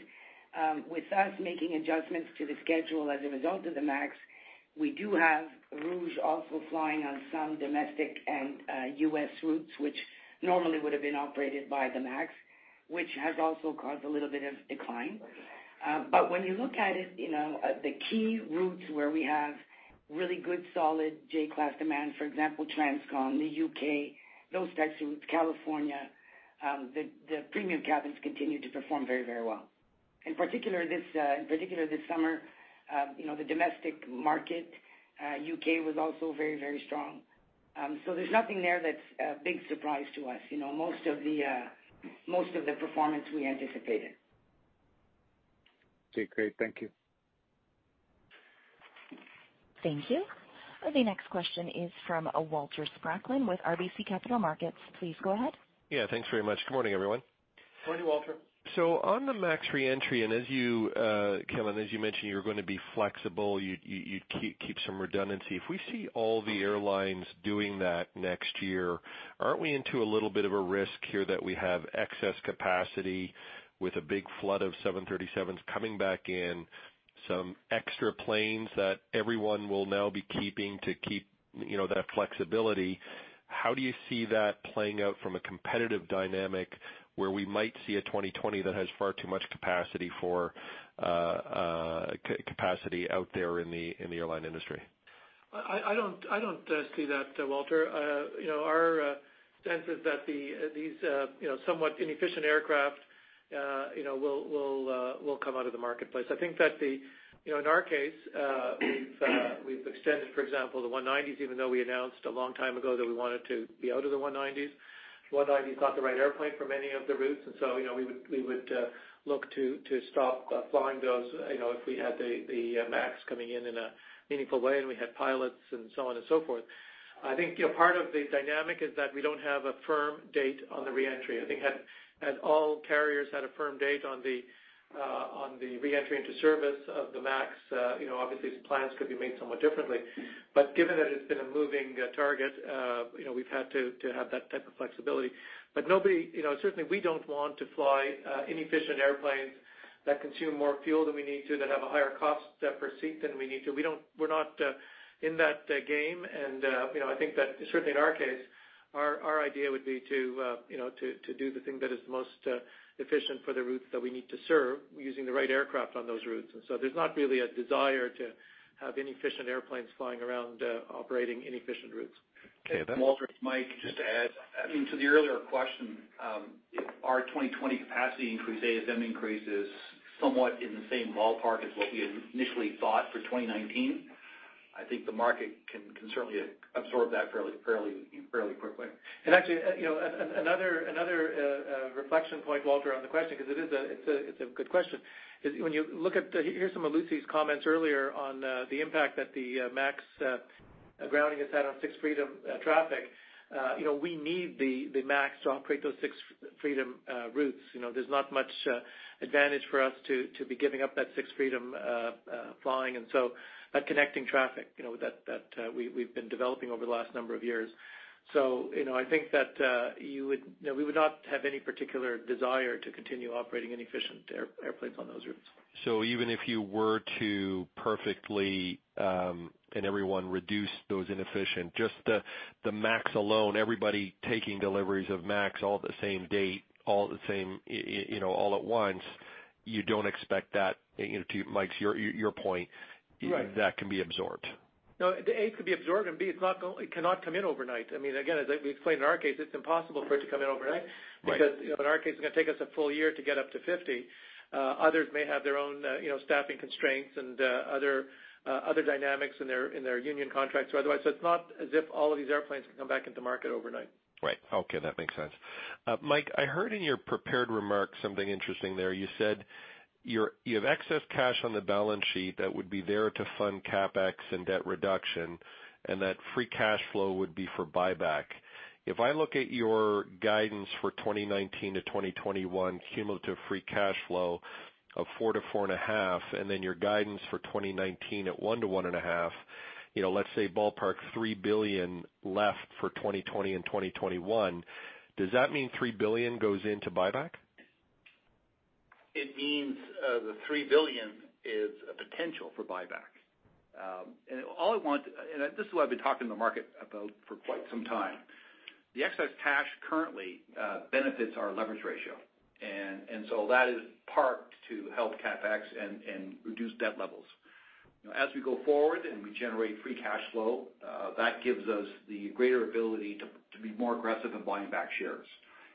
with us making adjustments to the schedule as a result of the MAX, we do have Rouge also flying on some domestic and U.S. routes, which normally would've been operated by the MAX, which has also caused a little bit of decline. When you look at it, the key routes where we have really good, solid J class demand, for example, Transcon, the U.K., those types of routes, California, the premium cabins continue to perform very well. In particular this summer, the domestic market, U.K. was also very strong. There's nothing there that's a big surprise to us. Most of the performance we anticipated. Okay, great. Thank you. Thank you. The next question is from Walter Spracklin with RBC Capital Markets. Please go ahead. Yeah, thanks very much. Good morning, everyone. Morning, Walter. On the MAX re-entry, and Calin, as you mentioned, you're going to be flexible. You'd keep some redundancy. If we see all the airlines doing that next year, aren't we into a little bit of a risk here that we have excess capacity with a big flood of 737s coming back in, some extra planes that everyone will now be keeping to keep that flexibility? How do you see that playing out from a competitive dynamic where we might see a 2020 that has far too much capacity out there in the airline industry? I don't see that, Walter. Our sense is that these somewhat inefficient aircraft will come out of the marketplace. I think that in our case, we've extended, for example, the 190s, even though we announced a long time ago that we wanted to be out of the 190s. 190s not the right airplane for many of the routes. We would look to stop flying those if we had the MAX coming in in a meaningful way and we had pilots and so on and so forth. I think part of the dynamic is that we don't have a firm date on the re-entry. I think had all carriers had a firm date on the re-entry into service of the MAX, obviously plans could be made somewhat differently. Given that it's been a moving target, we've had to have that type of flexibility. Certainly we don't want to fly inefficient airplanes that consume more fuel than we need to, that have a higher cost per seat than we need to. We're not in that game, and I think that certainly in our case. Our idea would be to do the thing that is most efficient for the routes that we need to serve using the right aircraft on those routes. There's not really a desire to have inefficient airplanes flying around operating inefficient routes. Okay. Walter, it's Mike. Just to add to the earlier question, our 2020 capacity increase, ASM increases, somewhat in the same ballpark as what we had initially thought for 2019. I think the market can certainly absorb that fairly quickly. Actually, another reflection point, Walter, on the question, because it is a good question. Here's some of Lucie's comments earlier on the impact that the MAX grounding has had on sixth freedom traffic. We need the MAX to operate those sixth freedom routes. There's not much advantage for us to be giving up that sixth freedom flying, that connecting traffic that we've been developing over the last number of years. I think that we would not have any particular desire to continue operating inefficient airplanes on those routes. Even if you were to perfectly, and everyone reduced those inefficient, just the MAX alone, everybody taking deliveries of MAX all at the same date, all at once, you don't expect that, to your point. Right that can be absorbed. No. A, it could be absorbed, and B, it cannot come in overnight. Again, as we explained, in our case, it's impossible for it to come in overnight. Right. In our case, it's going to take us a full year to get up to 50. Others may have their own staffing constraints and other dynamics in their union contracts or otherwise. It's not as if all of these airplanes can come back into the market overnight. Okay. That makes sense. Mike, I heard in your prepared remarks something interesting there. You said you have excess cash on the balance sheet that would be there to fund CapEx and debt reduction, and that free cash flow would be for buyback. If I look at your guidance for 2019 to 2021 cumulative free cash flow of 4 billion-4.5 billion, and then your guidance for 2019 at 1 billion-1.5 billion, let's say ballpark 3 billion left for 2020 and 2021. Does that mean 3 billion goes into buyback? It means the 3 billion is a potential for buyback. This is what I've been talking to the market about for quite some time. The excess cash currently benefits our leverage ratio, that is parked to help CapEx and reduce debt levels. As we go forward and we generate free cash flow, that gives us the greater ability to be more aggressive in buying back shares.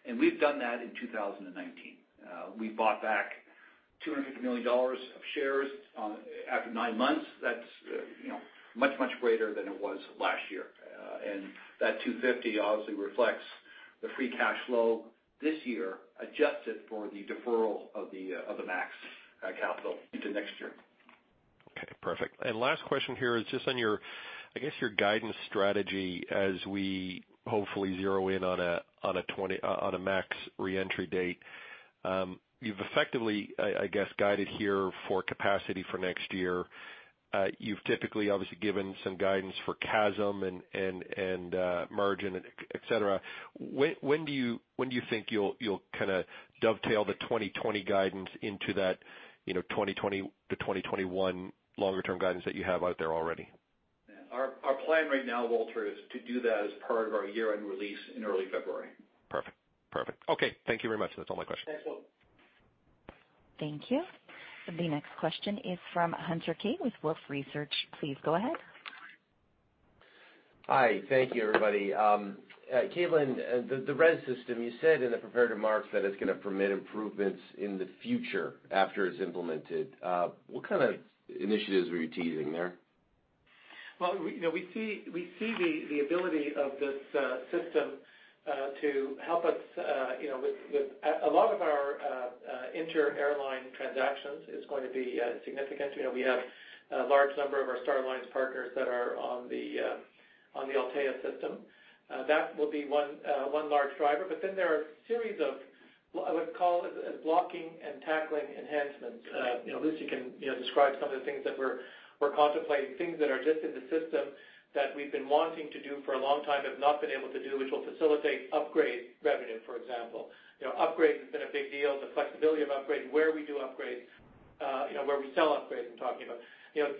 We've done that in 2019. We bought back 250 million dollars of shares after nine months. That's much greater than it was last year. That 250 obviously reflects the free cash flow this year, adjusted for the deferral of the MAX capital into next year. Okay, perfect. Last question here is just on your, I guess, your guidance strategy as we hopefully zero in on a MAX re-entry date. You've effectively, I guess, guided here for capacity for next year. You've typically obviously given some guidance for CASM and margin, et cetera. When do you think you'll dovetail the 2020 guidance into that 2020-2021 longer term guidance that you have out there already? Our plan right now, Walter, is to do that as part of our year-end release in early February. Perfect. Okay. Thank you very much. That's all my questions. Thanks, Walter. Thank you. The next question is from Hunter Keay with Wolfe Research. Please go ahead. Hi. Thank you, everybody. Calin, the RES system, you said in the prepared remarks that it's going to permit improvements in the future after it's implemented. What kind of initiatives were you teasing there? Well we see the ability of this system to help us with a lot of our inter-airline transactions is going to be significant. We have a large number of our Star Alliance partners that are on the Altéa system. That will be one large driver. There are a series of what I would call blocking and tackling enhancements. Lucie can describe some of the things that we're contemplating, things that are just in the system that we've been wanting to do for a long time, have not been able to do, which will facilitate upgrade revenue, for example. Upgrades has been a big deal, the flexibility of upgrades, where we do upgrades, where we sell upgrades, I'm talking about.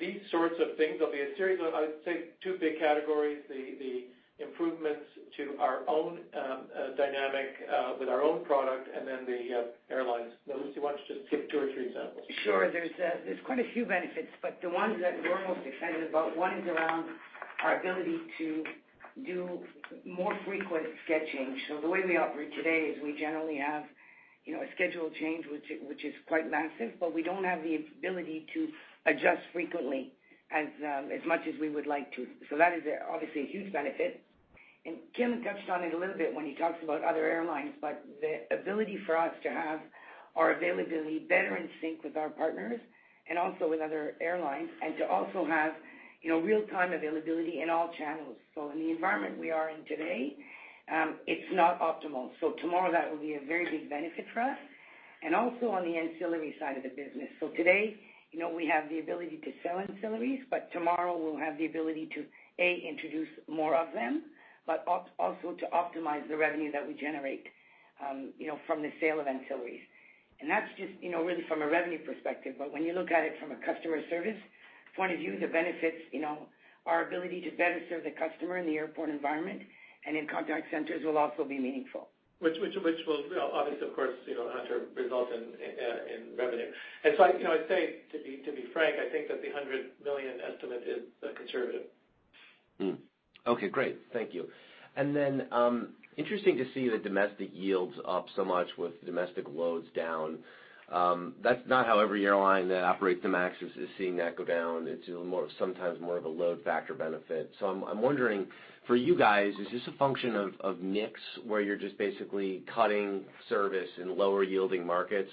These sorts of things. There'll be a series of, I would say, two big categories, the improvements to our own dynamic with our own product, and then the airlines. Lucie, why don't you just give two or three examples? Sure. There's quite a few benefits, but the ones that we're most excited about, one is around our ability to do more frequent scheduling. The way we operate today is we generally have a schedule change which is quite massive, but we don't have the ability to adjust frequently as much as we would like to. That is obviously a huge benefit. Calin touched on it a little bit when he talks about other airlines, but the ability for us to have our availability better in sync with our partners and also with other airlines, and to also have real-time availability in all channels. In the environment we are in today, it's not optimal. Tomorrow that will be a very big benefit for us and also on the ancillary side of the business. Today, we have the ability to sell ancillaries, but tomorrow we'll have the ability to, A, introduce more of them, but also to optimize the revenue that we generate from the sale of ancillaries. That's just really from a revenue perspective, but when you look at it from a customer service point of view, the benefits, our ability to better serve the customer in the airport environment and in contact centers will also be meaningful. Which will obviously, of course, Hunter, result in revenue. I'd say, to be frank, I think that the 100 million estimate is conservative. Okay, great. Thank you. Interesting to see the domestic yields up so much with domestic loads down. That's not how every airline that operates the MAX is seeing that go down into sometimes more of a load factor benefit. I'm wondering, for you guys, is this a function of mix, where you're just basically cutting service in lower yielding markets?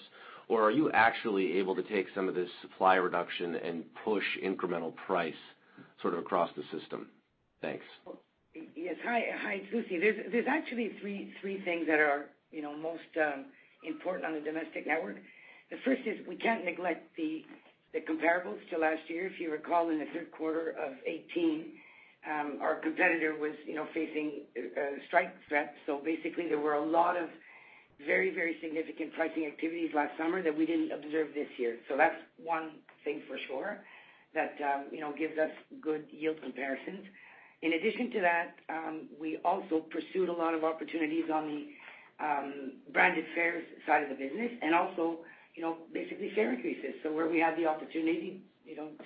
Are you actually able to take some of this supply reduction and push incremental price sort of across the system? Thanks. Yes. Hi, it's Lucie. There's actually three things that are most important on the domestic network. The first is we can't neglect the comparables to last year. If you recall, in the third quarter of 2018, our competitor was facing strike threats. Basically, there were a lot of very significant pricing activities last summer that we didn't observe this year. That's one thing for sure that gives us good yield comparisons. In addition to that, we also pursued a lot of opportunities on the branded fares side of the business, and also basically fare increases. Where we had the opportunity,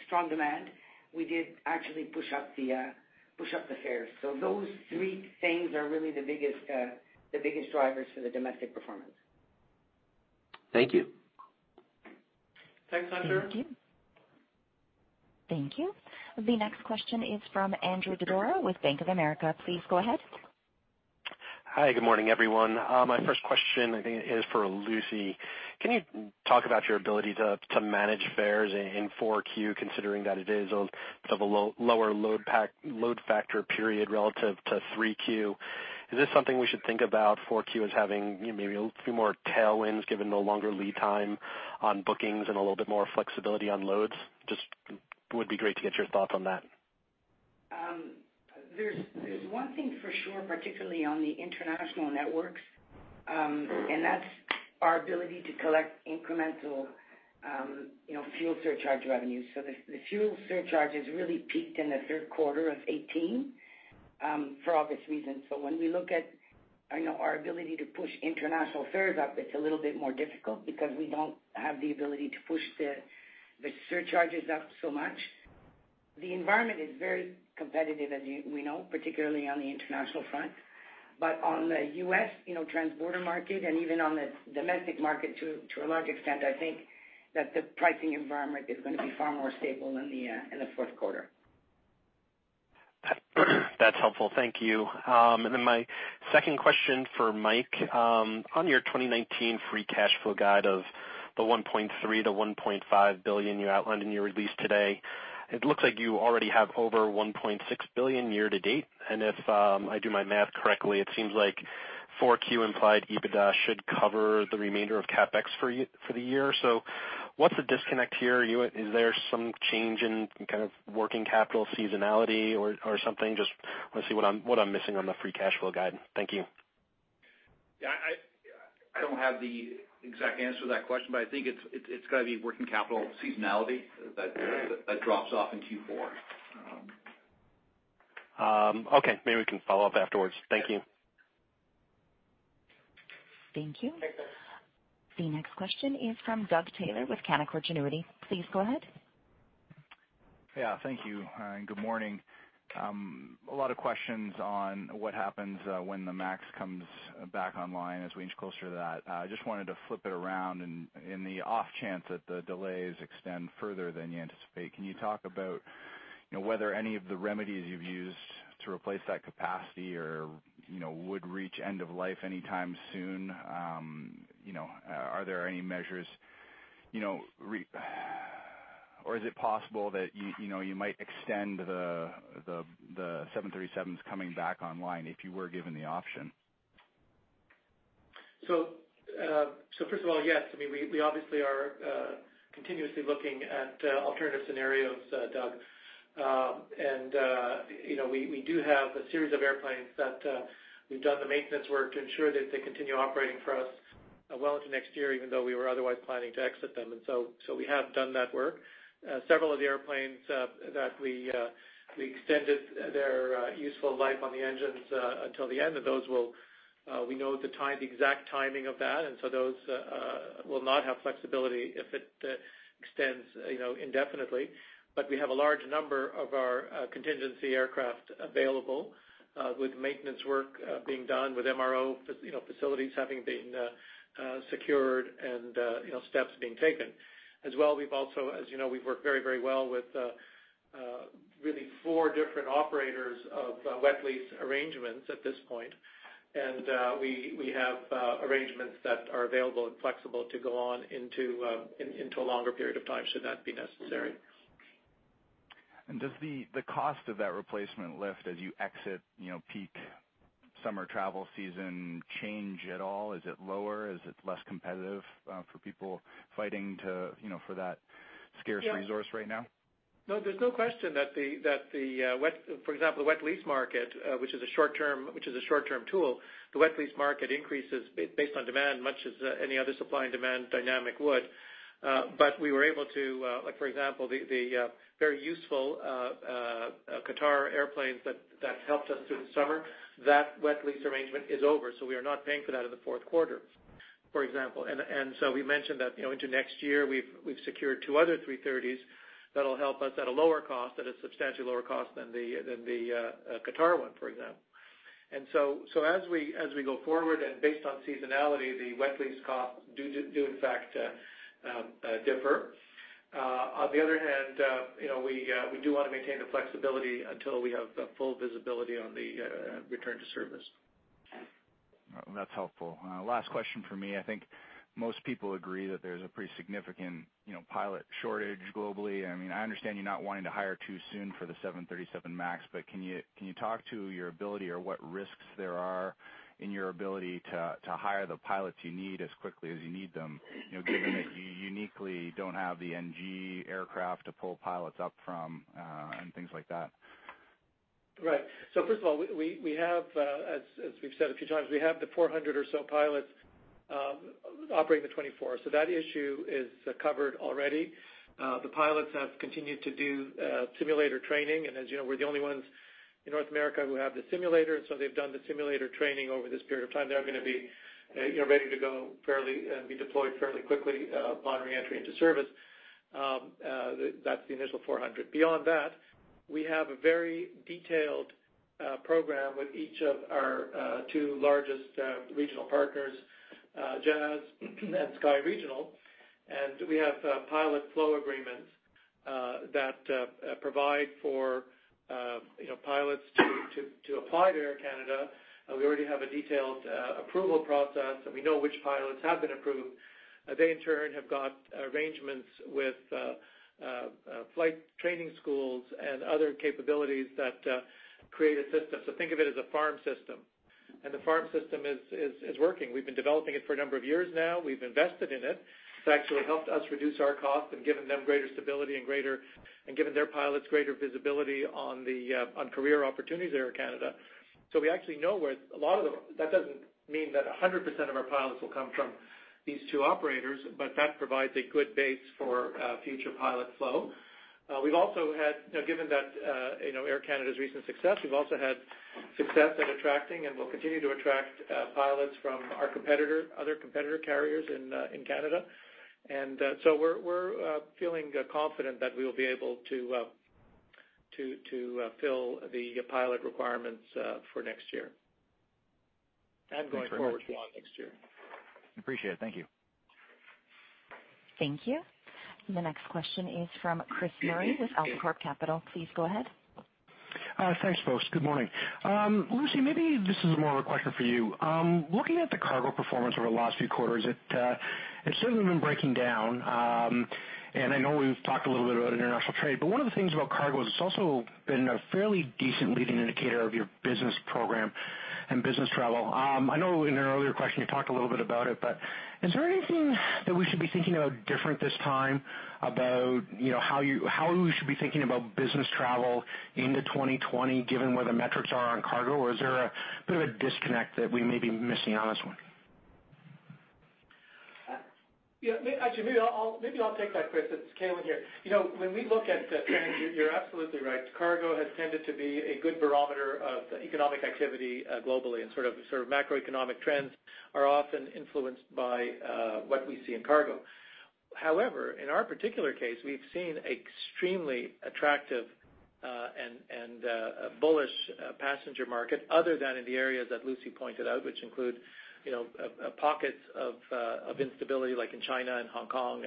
strong demand, we did actually push up the fares. Those three things are really the biggest drivers for the domestic performance. Thank you. Thanks, Hunter. Thank you. Thank you. The next question is from Andrew Didora with Bank of America. Please go ahead. Hi, good morning, everyone. My first question I think is for Lucie. Can you talk about your ability to manage fares in 4Q, considering that it is sort of a lower load factor period relative to 3Q? Is this something we should think about 4Q as having maybe a few more tailwinds given the longer lead time on bookings and a little bit more flexibility on loads? Just would be great to get your thoughts on that. There's one thing for sure, particularly on the international networks, and that's our ability to collect incremental fuel surcharge revenues. The fuel surcharges really peaked in the third quarter of 2018 for obvious reasons. When we look at our ability to push international fares up, it's a little bit more difficult because we don't have the ability to push the surcharges up so much. The environment is very competitive, as we know, particularly on the international front. On the U.S. transborder market and even on the domestic market, to a large extent, I think that the pricing environment is going to be far more stable in the fourth quarter. That's helpful. Thank you. My second question for Mike. On your 2019 free cash flow guide of the 1.3 billion-1.5 billion you outlined in your release today, it looks like you already have over 1.6 billion year to date. If I do my math correctly, it seems like 4Q implied EBITDA should cover the remainder of CapEx for the year. What's the disconnect here? Is there some change in kind of working capital seasonality or something? Just want to see what I'm missing on the free cash flow guide. Thank you. Yeah, I don't have the exact answer to that question, but I think it's got to be working capital seasonality that drops off in Q4. Okay. Maybe we can follow up afterwards. Thank you. Thank you. Thanks. The next question is from Doug Taylor with Canaccord Genuity. Please go ahead. Yeah, thank you, and good morning. A lot of questions on what happens when the MAX comes back online as we inch closer to that. I just wanted to flip it around. In the off chance that the delays extend further than you anticipate, can you talk about whether any of the remedies you've used to replace that capacity would reach end of life anytime soon? Are there any measures, or is it possible that you might extend the 737s coming back online if you were given the option? First of all, yes. We obviously are continuously looking at alternative scenarios, Doug. We do have a series of airplanes that we've done the maintenance work to ensure that they continue operating for us well into next year, even though we were otherwise planning to exit them. We have done that work. Several of the airplanes that we extended their useful life on the engines until the end of those, we know the exact timing of that, those will not have flexibility if it extends indefinitely. We have a large number of our contingency aircraft available with maintenance work being done, with MRO facilities having been secured and steps being taken. As well, we've also, as you know, we've worked very well with really four different operators of wet lease arrangements at this point. We have arrangements that are available and flexible to go on into a longer period of time should that be necessary. Does the cost of that replacement lift as you exit peak summer travel season change at all? Is it lower? Is it less competitive for people fighting for that scarce resource right now? There's no question that, for example, the wet lease market, which is a short-term tool, the wet lease market increases based on demand much as any other supply and demand dynamic would. We were able to, for example, the very useful Qatar airplanes that helped us through the summer, that wet lease arrangement is over, we are not paying for that in the fourth quarter, for example. We mentioned that into next year, we've secured two other 330s that'll help us at a lower cost, at a substantially lower cost than the Qatar one, for example. As we go forward and based on seasonality, the wet lease costs do in fact differ. On the other hand, we do want to maintain the flexibility until we have full visibility on the return to service. That's helpful. Last question from me. I think most people agree that there's a pretty significant pilot shortage globally. I understand you're not wanting to hire too soon for the 737 MAX, but can you talk to your ability or what risks there are in your ability to hire the pilots you need as quickly as you need them, given that you uniquely don't have the NG aircraft to pull pilots up from and things like that? Right. First of all, as we've said a few times, we have the 400 or so pilots operating the 24. That issue is covered already. The pilots have continued to do simulator training, and as you know, we're the only ones in North America who have the simulator, they've done the simulator training over this period of time. They're going to be ready to go and be deployed fairly quickly upon re-entry into service. That's the initial 400. Beyond that, we have a very detailed program with each of our two largest regional partners, Jazz and Sky Regional. We have pilot flow agreements that provide for pilots to apply to Air Canada. We already have a detailed approval process, and we know which pilots have been approved. They in turn have got arrangements with flight training schools and other capabilities that create a system. Think of it as a farm system, and the farm system is working. We've been developing it for a number of years now. We've invested in it. It's actually helped us reduce our cost and given them greater stability and given their pilots greater visibility on career opportunities at Air Canada. We actually know where a lot of them are. That doesn't mean that 100% of our pilots will come from these two operators, but that provides a good base for future pilot flow. Given Air Canada's recent success, we've also had success in attracting and will continue to attract pilots from other competitor carriers in Canada. We're feeling confident that we will be able to fill the pilot requirements for next year and going forward beyond next year. Appreciate it. Thank you. Thank you. The next question is from Chris Murray with AltaCorp Capital. Please go ahead. Thanks, folks. Good morning. Lucie, maybe this is more of a question for you. Looking at the cargo performance over the last few quarters, it certainly been breaking down. I know we've talked a little bit about international trade, but one of the things about cargo is it's also been a fairly decent leading indicator of your business program and business travel. I know in an earlier question, you talked a little bit about it, but is there anything that we should be thinking about different this time about how we should be thinking about business travel into 2020 given where the metrics are on cargo? Or is there a bit of a disconnect that we may be missing on this one? Yeah, actually, maybe I'll take that, Chris. It's Calin here. When we look at trends, you're absolutely right. Cargo has tended to be a good barometer of economic activity globally and macroeconomic trends are often influenced by what we see in cargo. However, in our particular case, we've seen extremely attractive and bullish passenger market other than in the areas that Lucie pointed out, which include pockets of instability like in China and Hong Kong.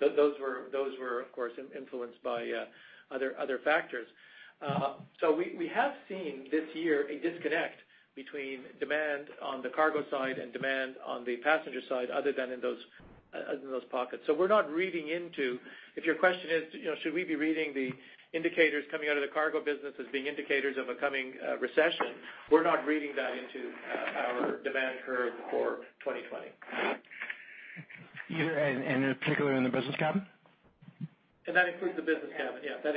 Those were, of course, influenced by other factors. We have seen this year a disconnect between demand on the cargo side and demand on the passenger side other than in those pockets. We're not reading into, if your question is, should we be reading the indicators coming out of the cargo business as being indicators of a coming recession? We're not reading that into our demand curve for 2020. In particular in the business cabin? That includes the business cabin. Yeah. That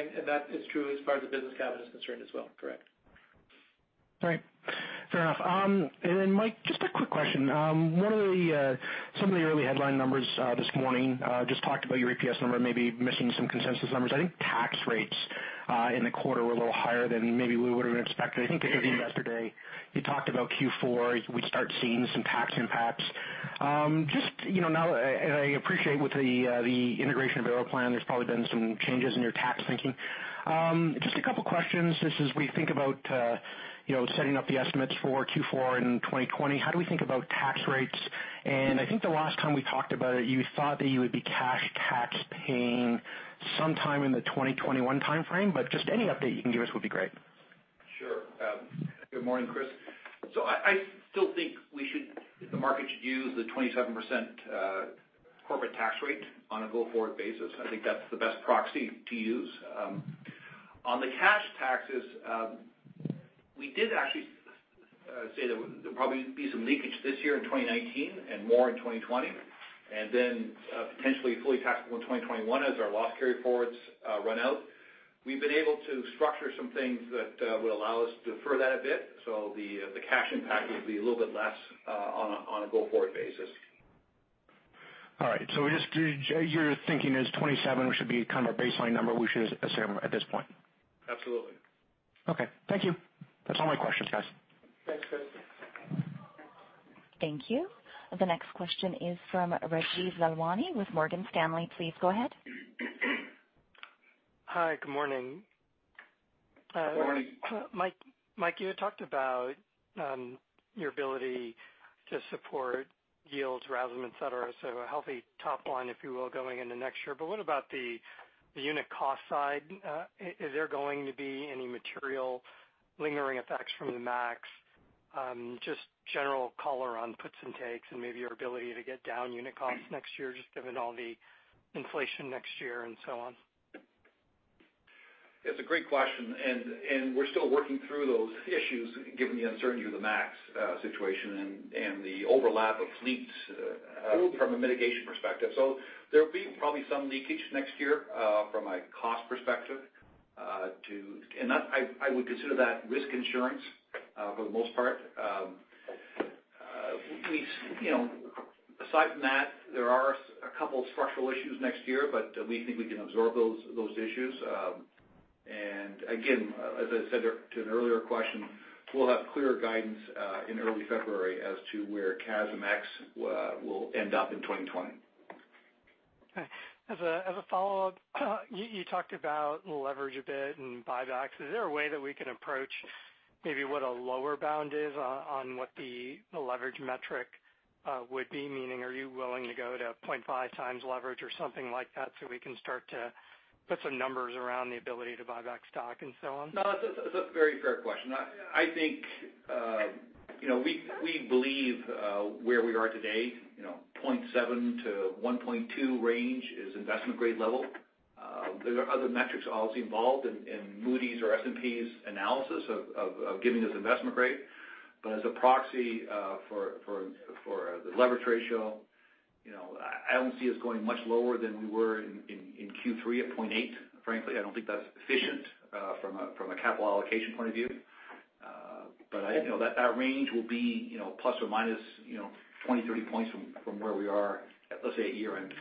is true as far as the business cabin is concerned as well. Correct. All right. Fair enough. Then Mike, just a quick question. Some of the early headline numbers this morning just talked about your EPS number maybe missing some consensus numbers. I think tax rates in the quarter were a little higher than maybe we would've expected. I think at the Investor Day, you talked about Q4, we'd start seeing some tax impacts. I appreciate with the integration of Aeroplan, there's probably been some changes in your tax thinking. Just a couple questions. This is we think about setting up the estimates for Q4 and 2020. How do we think about tax rates? I think the last time we talked about it, you thought that you would be cash tax paying sometime in the 2021 timeframe, just any update you can give us would be great. Sure. Good morning, Chris. I still think the market should use the 27% corporate tax rate on a go-forward basis. I think that's the best proxy to use. We did actually say that there'll probably be some leakage this year in 2019 and more in 2020, and then potentially fully taxable in 2021 as our loss carry-forwards run out. We've been able to structure some things that would allow us to defer that a bit. The cash impact would be a little bit less on a go-forward basis. All right. You're thinking as 27%, which should be kind of a baseline number we should assume at this point? Absolutely. Okay. Thank you. That's all my questions, guys. Thanks, Chris. Thank you. The next question is from Rajiv Sobti with Morgan Stanley. Please go ahead. Hi. Good morning. Good morning. Michael, you had talked about your ability to support yields, RASM, et cetera, so a healthy top line, if you will, going into next year. What about the unit cost side? Is there going to be any material lingering effects from the MAX? Just general color on puts and takes and maybe your ability to get down unit costs next year, just given all the inflation next year and so on? It's a great question. We're still working through those issues, given the uncertainty of the MAX situation and the overlap of fleets from a mitigation perspective. There'll be probably some leakage next year from a cost perspective. I would consider that risk insurance for the most part. Aside from that, there are a couple structural issues next year, but we think we can absorb those issues. Again, as I said to an earlier question, we'll have clearer guidance in early February as to where CASM ex will end up in 2020. Okay. As a follow-up, you talked about leverage a bit and buybacks. Is there a way that we can approach maybe what a lower bound is on what the leverage metric would be? Meaning, are you willing to go to 0.5 times leverage or something like that so we can start to put some numbers around the ability to buy back stock and so on? No, that's a very fair question. I think we believe where we are today, 0.7-1.2 range is investment-grade level. There are other metrics obviously involved in Moody's or S&P's analysis of giving us investment grade. As a proxy for the leverage ratio, I don't see us going much lower than we were in Q3 at 0.8. Frankly, I don't think that's efficient from a capital allocation point of view. That range will be plus or minus 20-30 points from where we are at, let's say, year-end.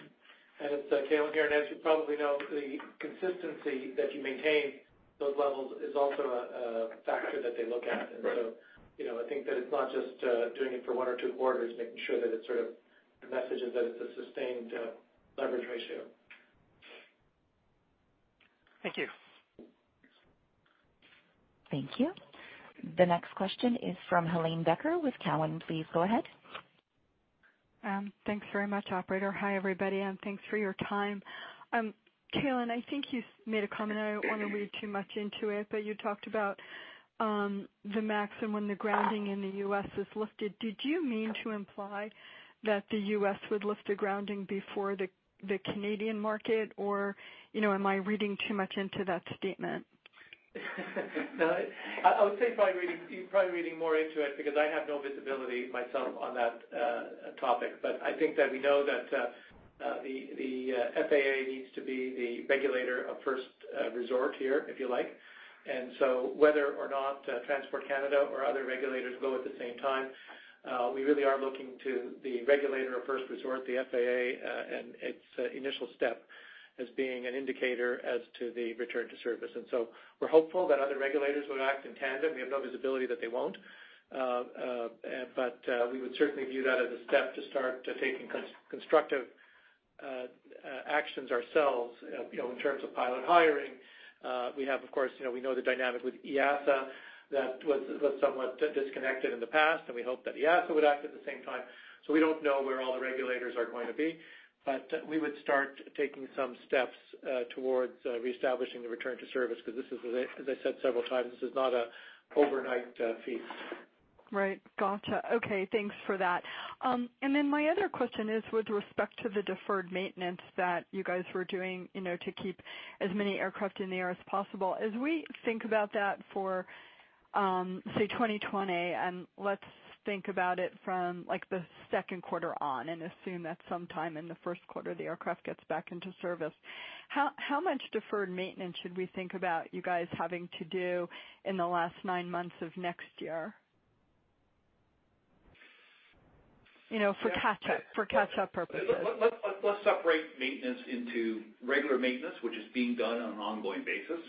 It's Calin here. As you probably know, the consistency that you maintain those levels is also a factor that they look at. Right. I think that it's not just doing it for one or two quarters, making sure that it's sort of the message is that it's a sustained leverage ratio. Thank you. Thank you. The next question is from Helane Becker with Cowen. Please go ahead. Thanks very much, operator. Hi, everybody, and thanks for your time. Calin, I think you made a comment, I don't want to read too much into it, but you talked about the MAX and when the grounding in the U.S. is lifted. Did you mean to imply that the U.S. would lift the grounding before the Canadian market? Am I reading too much into that statement? No. I would say you're probably reading more into it because I have no visibility myself on that topic. I think that we know that the FAA needs to be the regulator of first resort here, if you like. Whether or not Transport Canada or other regulators go at the same time, we really are looking to the regulator of first resort, the FAA, and its initial step as being an indicator as to the return to service. We're hopeful that other regulators would act in tandem. We have no visibility that they won't. We would certainly view that as a step to start taking constructive actions ourselves in terms of pilot hiring. We have, of course, we know the dynamic with EASA that was somewhat disconnected in the past, and we hope that EASA would act at the same time. We don't know where all the regulators are going to be, but we would start taking some steps towards reestablishing the return to service because this is, as I said several times, this is not an overnight feat. Right. Gotcha. Okay. Thanks for that. Then my other question is with respect to the deferred maintenance that you guys were doing to keep as many aircraft in the air as possible. As we think about that for, say, 2020, and let's think about it from the second quarter on and assume that sometime in the first quarter the aircraft gets back into service. How much deferred maintenance should we think about you guys having to do in the last nine months of next year for catch-up purposes? Let's separate maintenance into regular maintenance, which is being done on an ongoing basis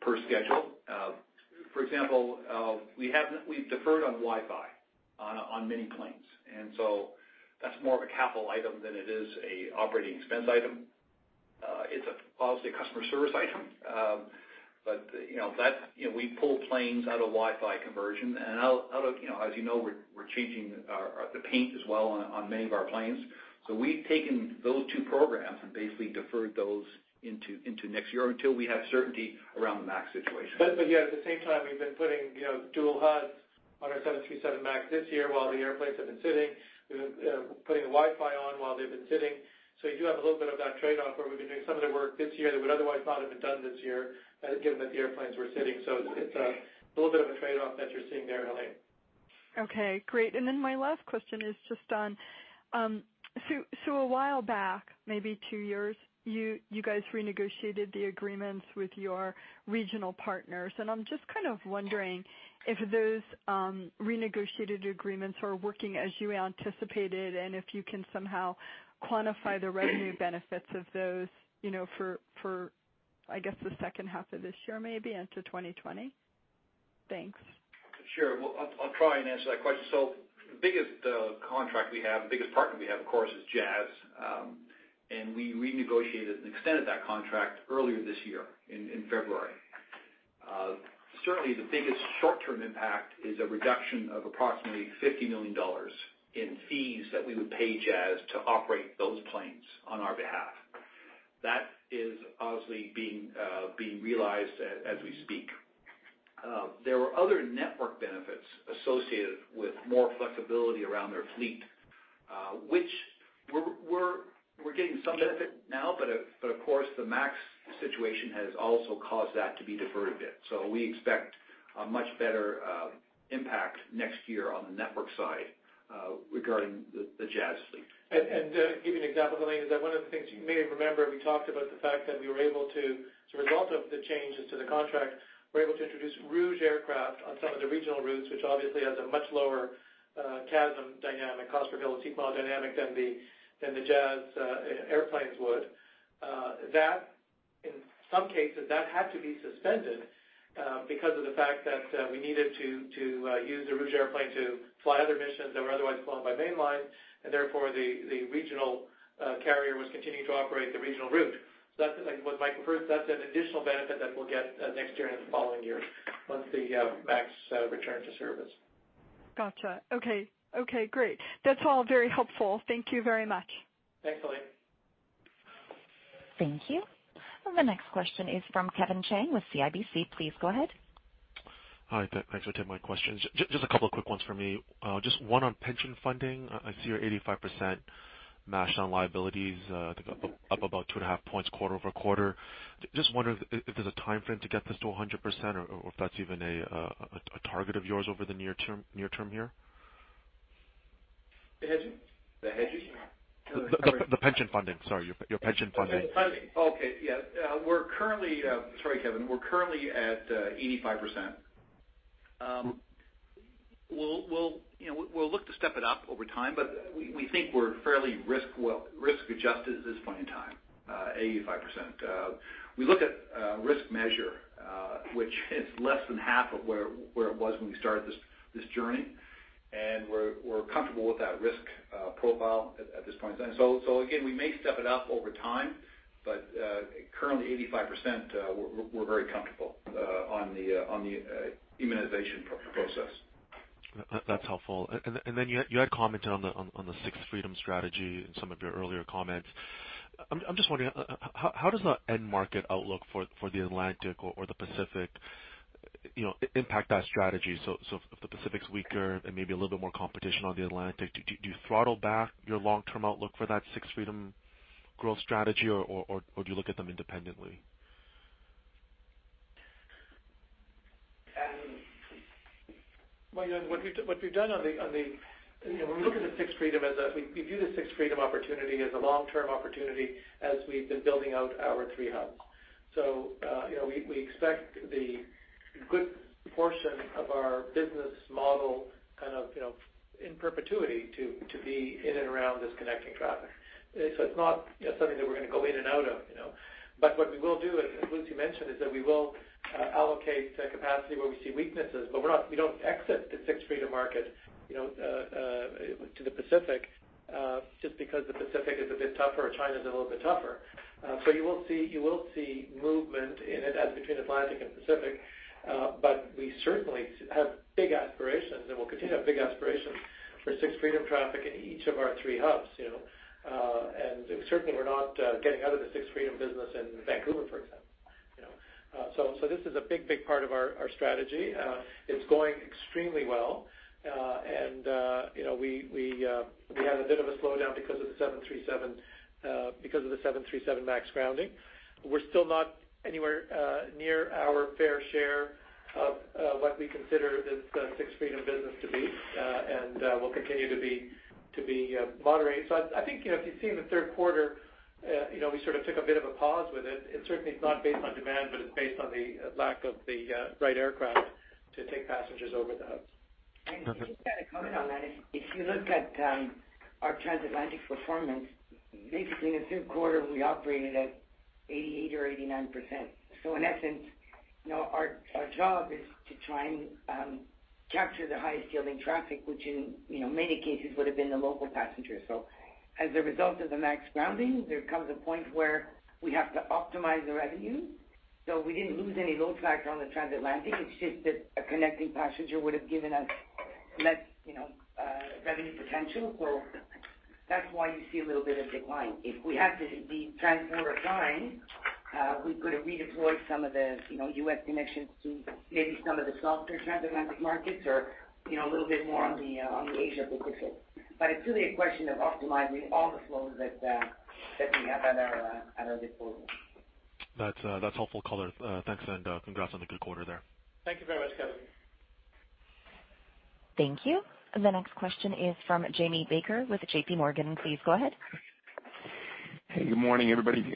per schedule. For example, we've deferred on Wi-Fi on many planes, that's more of a capital item than it is an operating expense item. It's obviously a customer service item. We pull planes out of Wi-Fi conversion and as you know, we're changing the paint as well on many of our planes. We've taken those two programs and basically deferred those into next year until we have certainty around the MAX situation. Yet at the same time, we've been putting dual HUDs. On our 737 MAX this year while the airplanes have been sitting. We've been putting the Wi-Fi on while they've been sitting. You do have a little bit of that trade-off where we've been doing some of the work this year that would otherwise not have been done this year, given that the airplanes were sitting. It's a little bit of a trade-off that you're seeing there, Helane. Okay, great. My last question is just on, a while back, maybe 2 years, you guys renegotiated the agreements with your regional partners, I'm just kind of wondering if those renegotiated agreements are working as you anticipated, if you can somehow quantify the revenue benefits of those for, I guess the second half of this year maybe into 2020. Thanks. Sure. Well, I'll try and answer that question. The biggest contract we have, the biggest partner we have, of course, is Jazz. We renegotiated and extended that contract earlier this year in February. Certainly, the biggest short-term impact is a reduction of approximately 50 million dollars in fees that we would pay Jazz to operate those planes on our behalf. That is obviously being realized as we speak. There were other network benefits associated with more flexibility around their fleet, which we're getting some benefit now, but of course, the MAX situation has also caused that to be deferred a bit. We expect a much better impact next year on the network side regarding the Jazz fleet. To give you an example, Helane, is that one of the things you may remember, as a result of the changes to the contract, we were able to introduce Rouge aircraft on some of the regional routes, which obviously has a much lower CASM dynamic, cost per available seat mile dynamic, than the Jazz airplanes would. In some cases, that had to be suspended because of the fact that we needed to use the Rouge airplane to fly other missions that were otherwise flown by Mainline, and therefore the regional carrier was continuing to operate the regional route. That's what Michael proves. That's an additional benefit that we'll get next year and the following year once the MAX returns to service. Got you. Okay. Okay, great. That's all very helpful. Thank you very much. Thanks, Helane. Thank you. The next question is from Kevin Chiang with CIBC. Please go ahead. Hi, thanks for taking my questions. Just a couple of quick ones for me. Just one on pension funding. I see your 85% matched on liabilities, I think up about two and a half points quarter-over-quarter. Just wonder if there's a timeframe to get this to 100% or if that's even a target of yours over the near term here? The hedging? The hedging? The pension funding. Sorry, your pension funding. Okay, yeah. Sorry, Kevin. We're currently at 85%. We'll look to step it up over time, but we think we're fairly risk-adjusted at this point in time, 85%. We look at risk measure which is less than half of where it was when we started this journey, and we're comfortable with that risk profile at this point in time. Again, we may step it up over time, but currently 85%, we're very comfortable on the immunization process. That's helpful. You had commented on the sixth freedom strategy in some of your earlier comments. I'm just wondering, how does the end market outlook for the Atlantic or the Pacific impact that strategy? If the Pacific's weaker and maybe a little bit more competition on the Atlantic, do you throttle back your long-term outlook for that sixth freedom growth strategy, or do you look at them independently? We view the sixth freedom opportunity as a long-term opportunity as we've been building out our three hubs. We expect the good portion of our business model kind of in perpetuity to be in and around this connecting traffic. It's not something that we're going to go in and out of. What we will do, as Lucie mentioned, is that we will allocate capacity where we see weaknesses, but we don't exit the sixth freedom market to the Pacific just because the Pacific is a bit tougher or China's a little bit tougher. You will see movement in and out between Atlantic and Pacific. We certainly have big aspirations, and we'll continue to have big aspirations for sixth freedom traffic in each of our three hubs. Certainly, we're not getting out of the sixth freedom business in Vancouver, for example. This is a big, big part of our strategy. It's going extremely well. We had a bit of a slowdown because of the 737 MAX grounding. We're still not anywhere near our fair share of what we consider this sixth freedom business to be. We'll continue to be moderating. I think if you've seen the third quarter, we sort of took a bit of a pause with it. It certainly is not based on demand, but it's based on the lack of the right aircraft to take passengers over the hubs. Okay. Just add a comment on that. If you look at our transatlantic performance, basically in the third quarter, we operated at 88 or 89%. In essence, our job is to try and capture the highest yielding traffic, which in many cases would have been the local passengers. As a result of the MAX grounding, there comes a point where we have to optimize the revenue. We didn't lose any load factor on the transatlantic. It's just that a connecting passenger would have given us less revenue potential. That's why you see a little bit of decline. If we had the transfer time, we could have redeployed some of the U.S. connections to maybe some of the softer transatlantic markets or a little bit more on the Asia Pacific. It's really a question of optimizing all the flows that we have at our disposal. That's helpful color. Thanks, congrats on the good quarter there. Thank you very much, Kevin. Thank you. The next question is from Jamie Baker with J.P. Morgan. Please go ahead. Hey, good morning, everybody.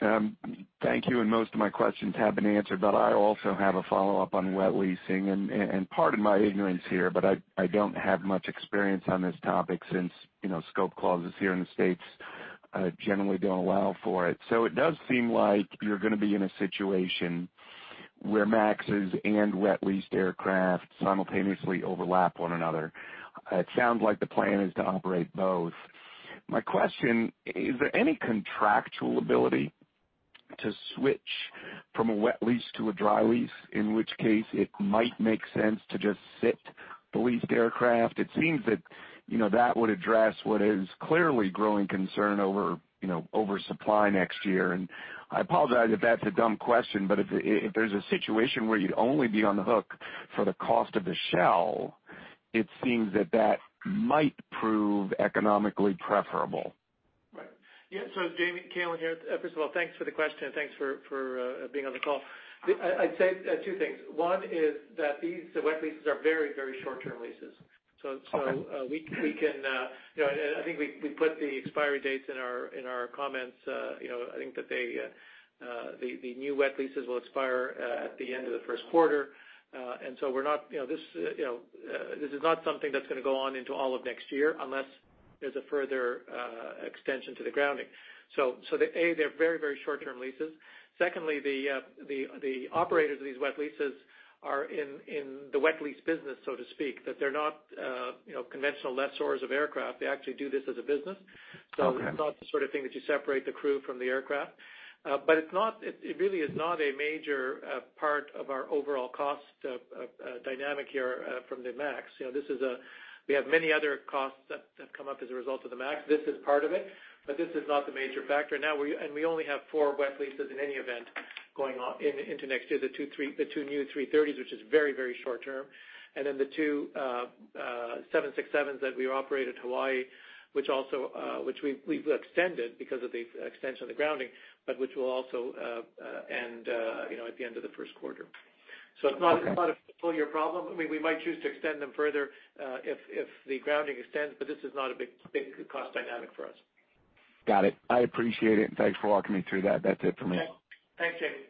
Thank you. Most of my questions have been answered, but I also have a follow-up on wet leasing and pardon my ignorance here, but I don't have much experience on this topic since scope clauses here in the States generally don't allow for it. It does seem like you're going to be in a situation where MAX and wet leased aircraft simultaneously overlap one another. It sounds like the plan is to operate both. My question, is there any contractual ability to switch from a wet lease to a dry lease, in which case it might make sense to just sit the leased aircraft? It seems that would address what is clearly growing concern over supply next year, and I apologize if that's a dumb question, but if there's a situation where you'd only be on the hook for the cost of the shell, it seems that that might prove economically preferable. Right. Yeah. Jamie, Calin here. First of all, thanks for the question and thanks for being on the call. I'd say two things. One is that these wet leases are very short-term leases. Okay. I think we put the expiry dates in our comments. I think that the new wet leases will expire at the end of the first quarter. This is not something that's going to go on into all of next year unless there's a further extension to the grounding. A, they're very short-term leases. Secondly, the operators of these wet leases are in the wet lease business, so to speak, that they're not conventional lessors of aircraft. They actually do this as a business. Okay. It's not the sort of thing that you separate the crew from the aircraft. It really is not a major part of our overall cost dynamic here from the MAX. We have many other costs that have come up as a result of the MAX. This is part of it, but this is not the major factor. We only have four wet leases in any event going into next year, the two new 330s, which is very short-term, and then the two 767s that we operate at Hawaii, which we've extended because of the extension of the grounding, but which will also end at the end of the first quarter. Okay. It's not a full year problem. We might choose to extend them further if the grounding extends, but this is not a big cost dynamic for us. Got it. I appreciate it and thanks for walking me through that. That's it for me. Thanks, Jamie.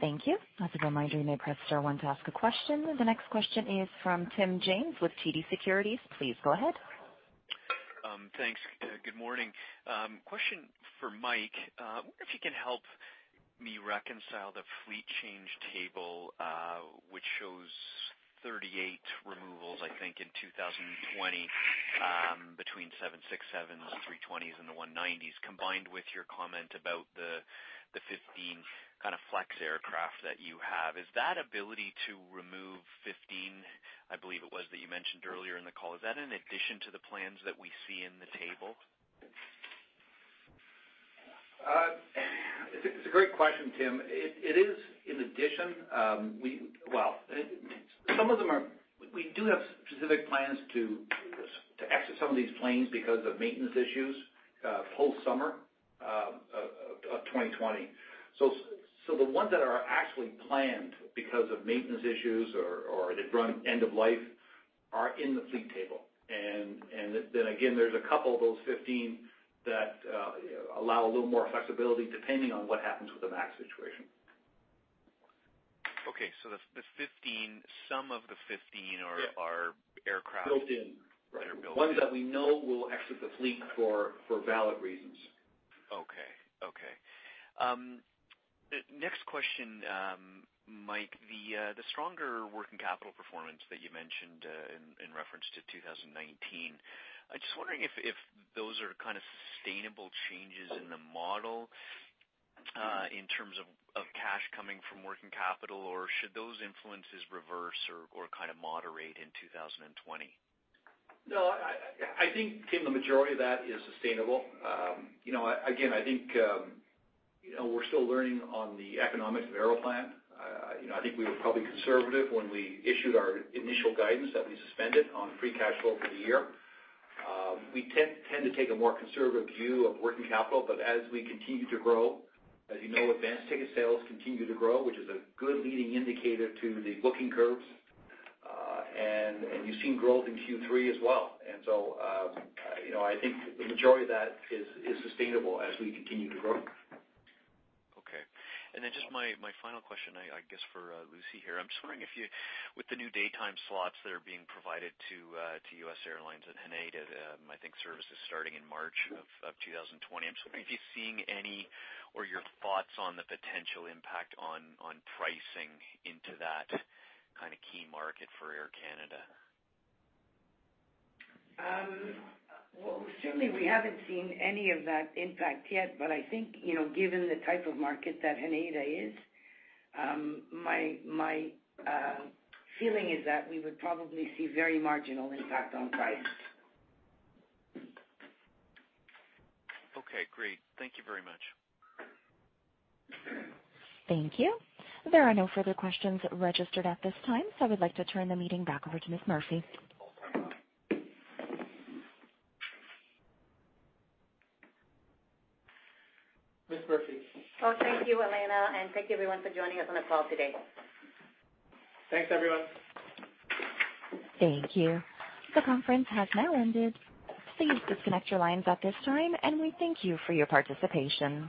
Thank you. As a reminder, you may press star one to ask a question. The next question is from Tim James with TD Securities. Please go ahead. Thanks. Good morning. Question for Mike. Wonder if you can help me reconcile the fleet change table, which shows 38 removals, I think, in 2020 between 767s, the 320s, and the 190s, combined with your comment about the 15 kind of flex aircraft that you have. Is that ability to remove 15, I believe it was that you mentioned earlier in the call, is that in addition to the plans that we see in the table? It's a great question, Tim. It is in addition. We do have specific plans to exit some of these planes because of maintenance issues post-summer of 2020. The ones that are actually planned because of maintenance issues or have run end of life are in the fleet table. There's a couple of those 15 that allow a little more flexibility depending on what happens with the MAX situation. Okay. Some of the 15 are aircraft. Built in. That are built in. Ones that we know will exit the fleet for valid reasons. Okay. Next question, Mike. The stronger working capital performance that you mentioned in reference to 2019, I'm just wondering if those are kind of sustainable changes in the model in terms of cash coming from working capital or should those influences reverse or kind of moderate in 2020? No, I think, Tim, the majority of that is sustainable. I think we're still learning on the economics of Aeroplan. I think we were probably conservative when we issued our initial guidance that we suspended on free cash flow for the year. We tend to take a more conservative view of working capital, as we continue to grow, as you know, advanced ticket sales continue to grow, which is a good leading indicator to the booking curves. You've seen growth in Q3 as well. I think the majority of that is sustainable as we continue to grow. Okay. Just my final question, I guess, for Lucie here. I'm just wondering with the new daytime slots that are being provided to U.S. Airlines at Haneda, I think services starting in March of 2020. I'm just wondering if you're seeing any, or your thoughts on the potential impact on pricing into that kind of key market for Air Canada. Well, certainly we haven't seen any of that impact yet, but I think, given the type of market that Haneda is, my feeling is that we would probably see very marginal impact on price. Okay, great. Thank you very much. Thank you. There are no further questions registered at this time. I would like to turn the meeting back over to Ms. Murphy. Ms. Murphy. Thank you, Alana, and thank you everyone for joining us on the call today. Thanks, everyone. Thank you. The conference has now ended. Please disconnect your lines at this time, and we thank you for your participation.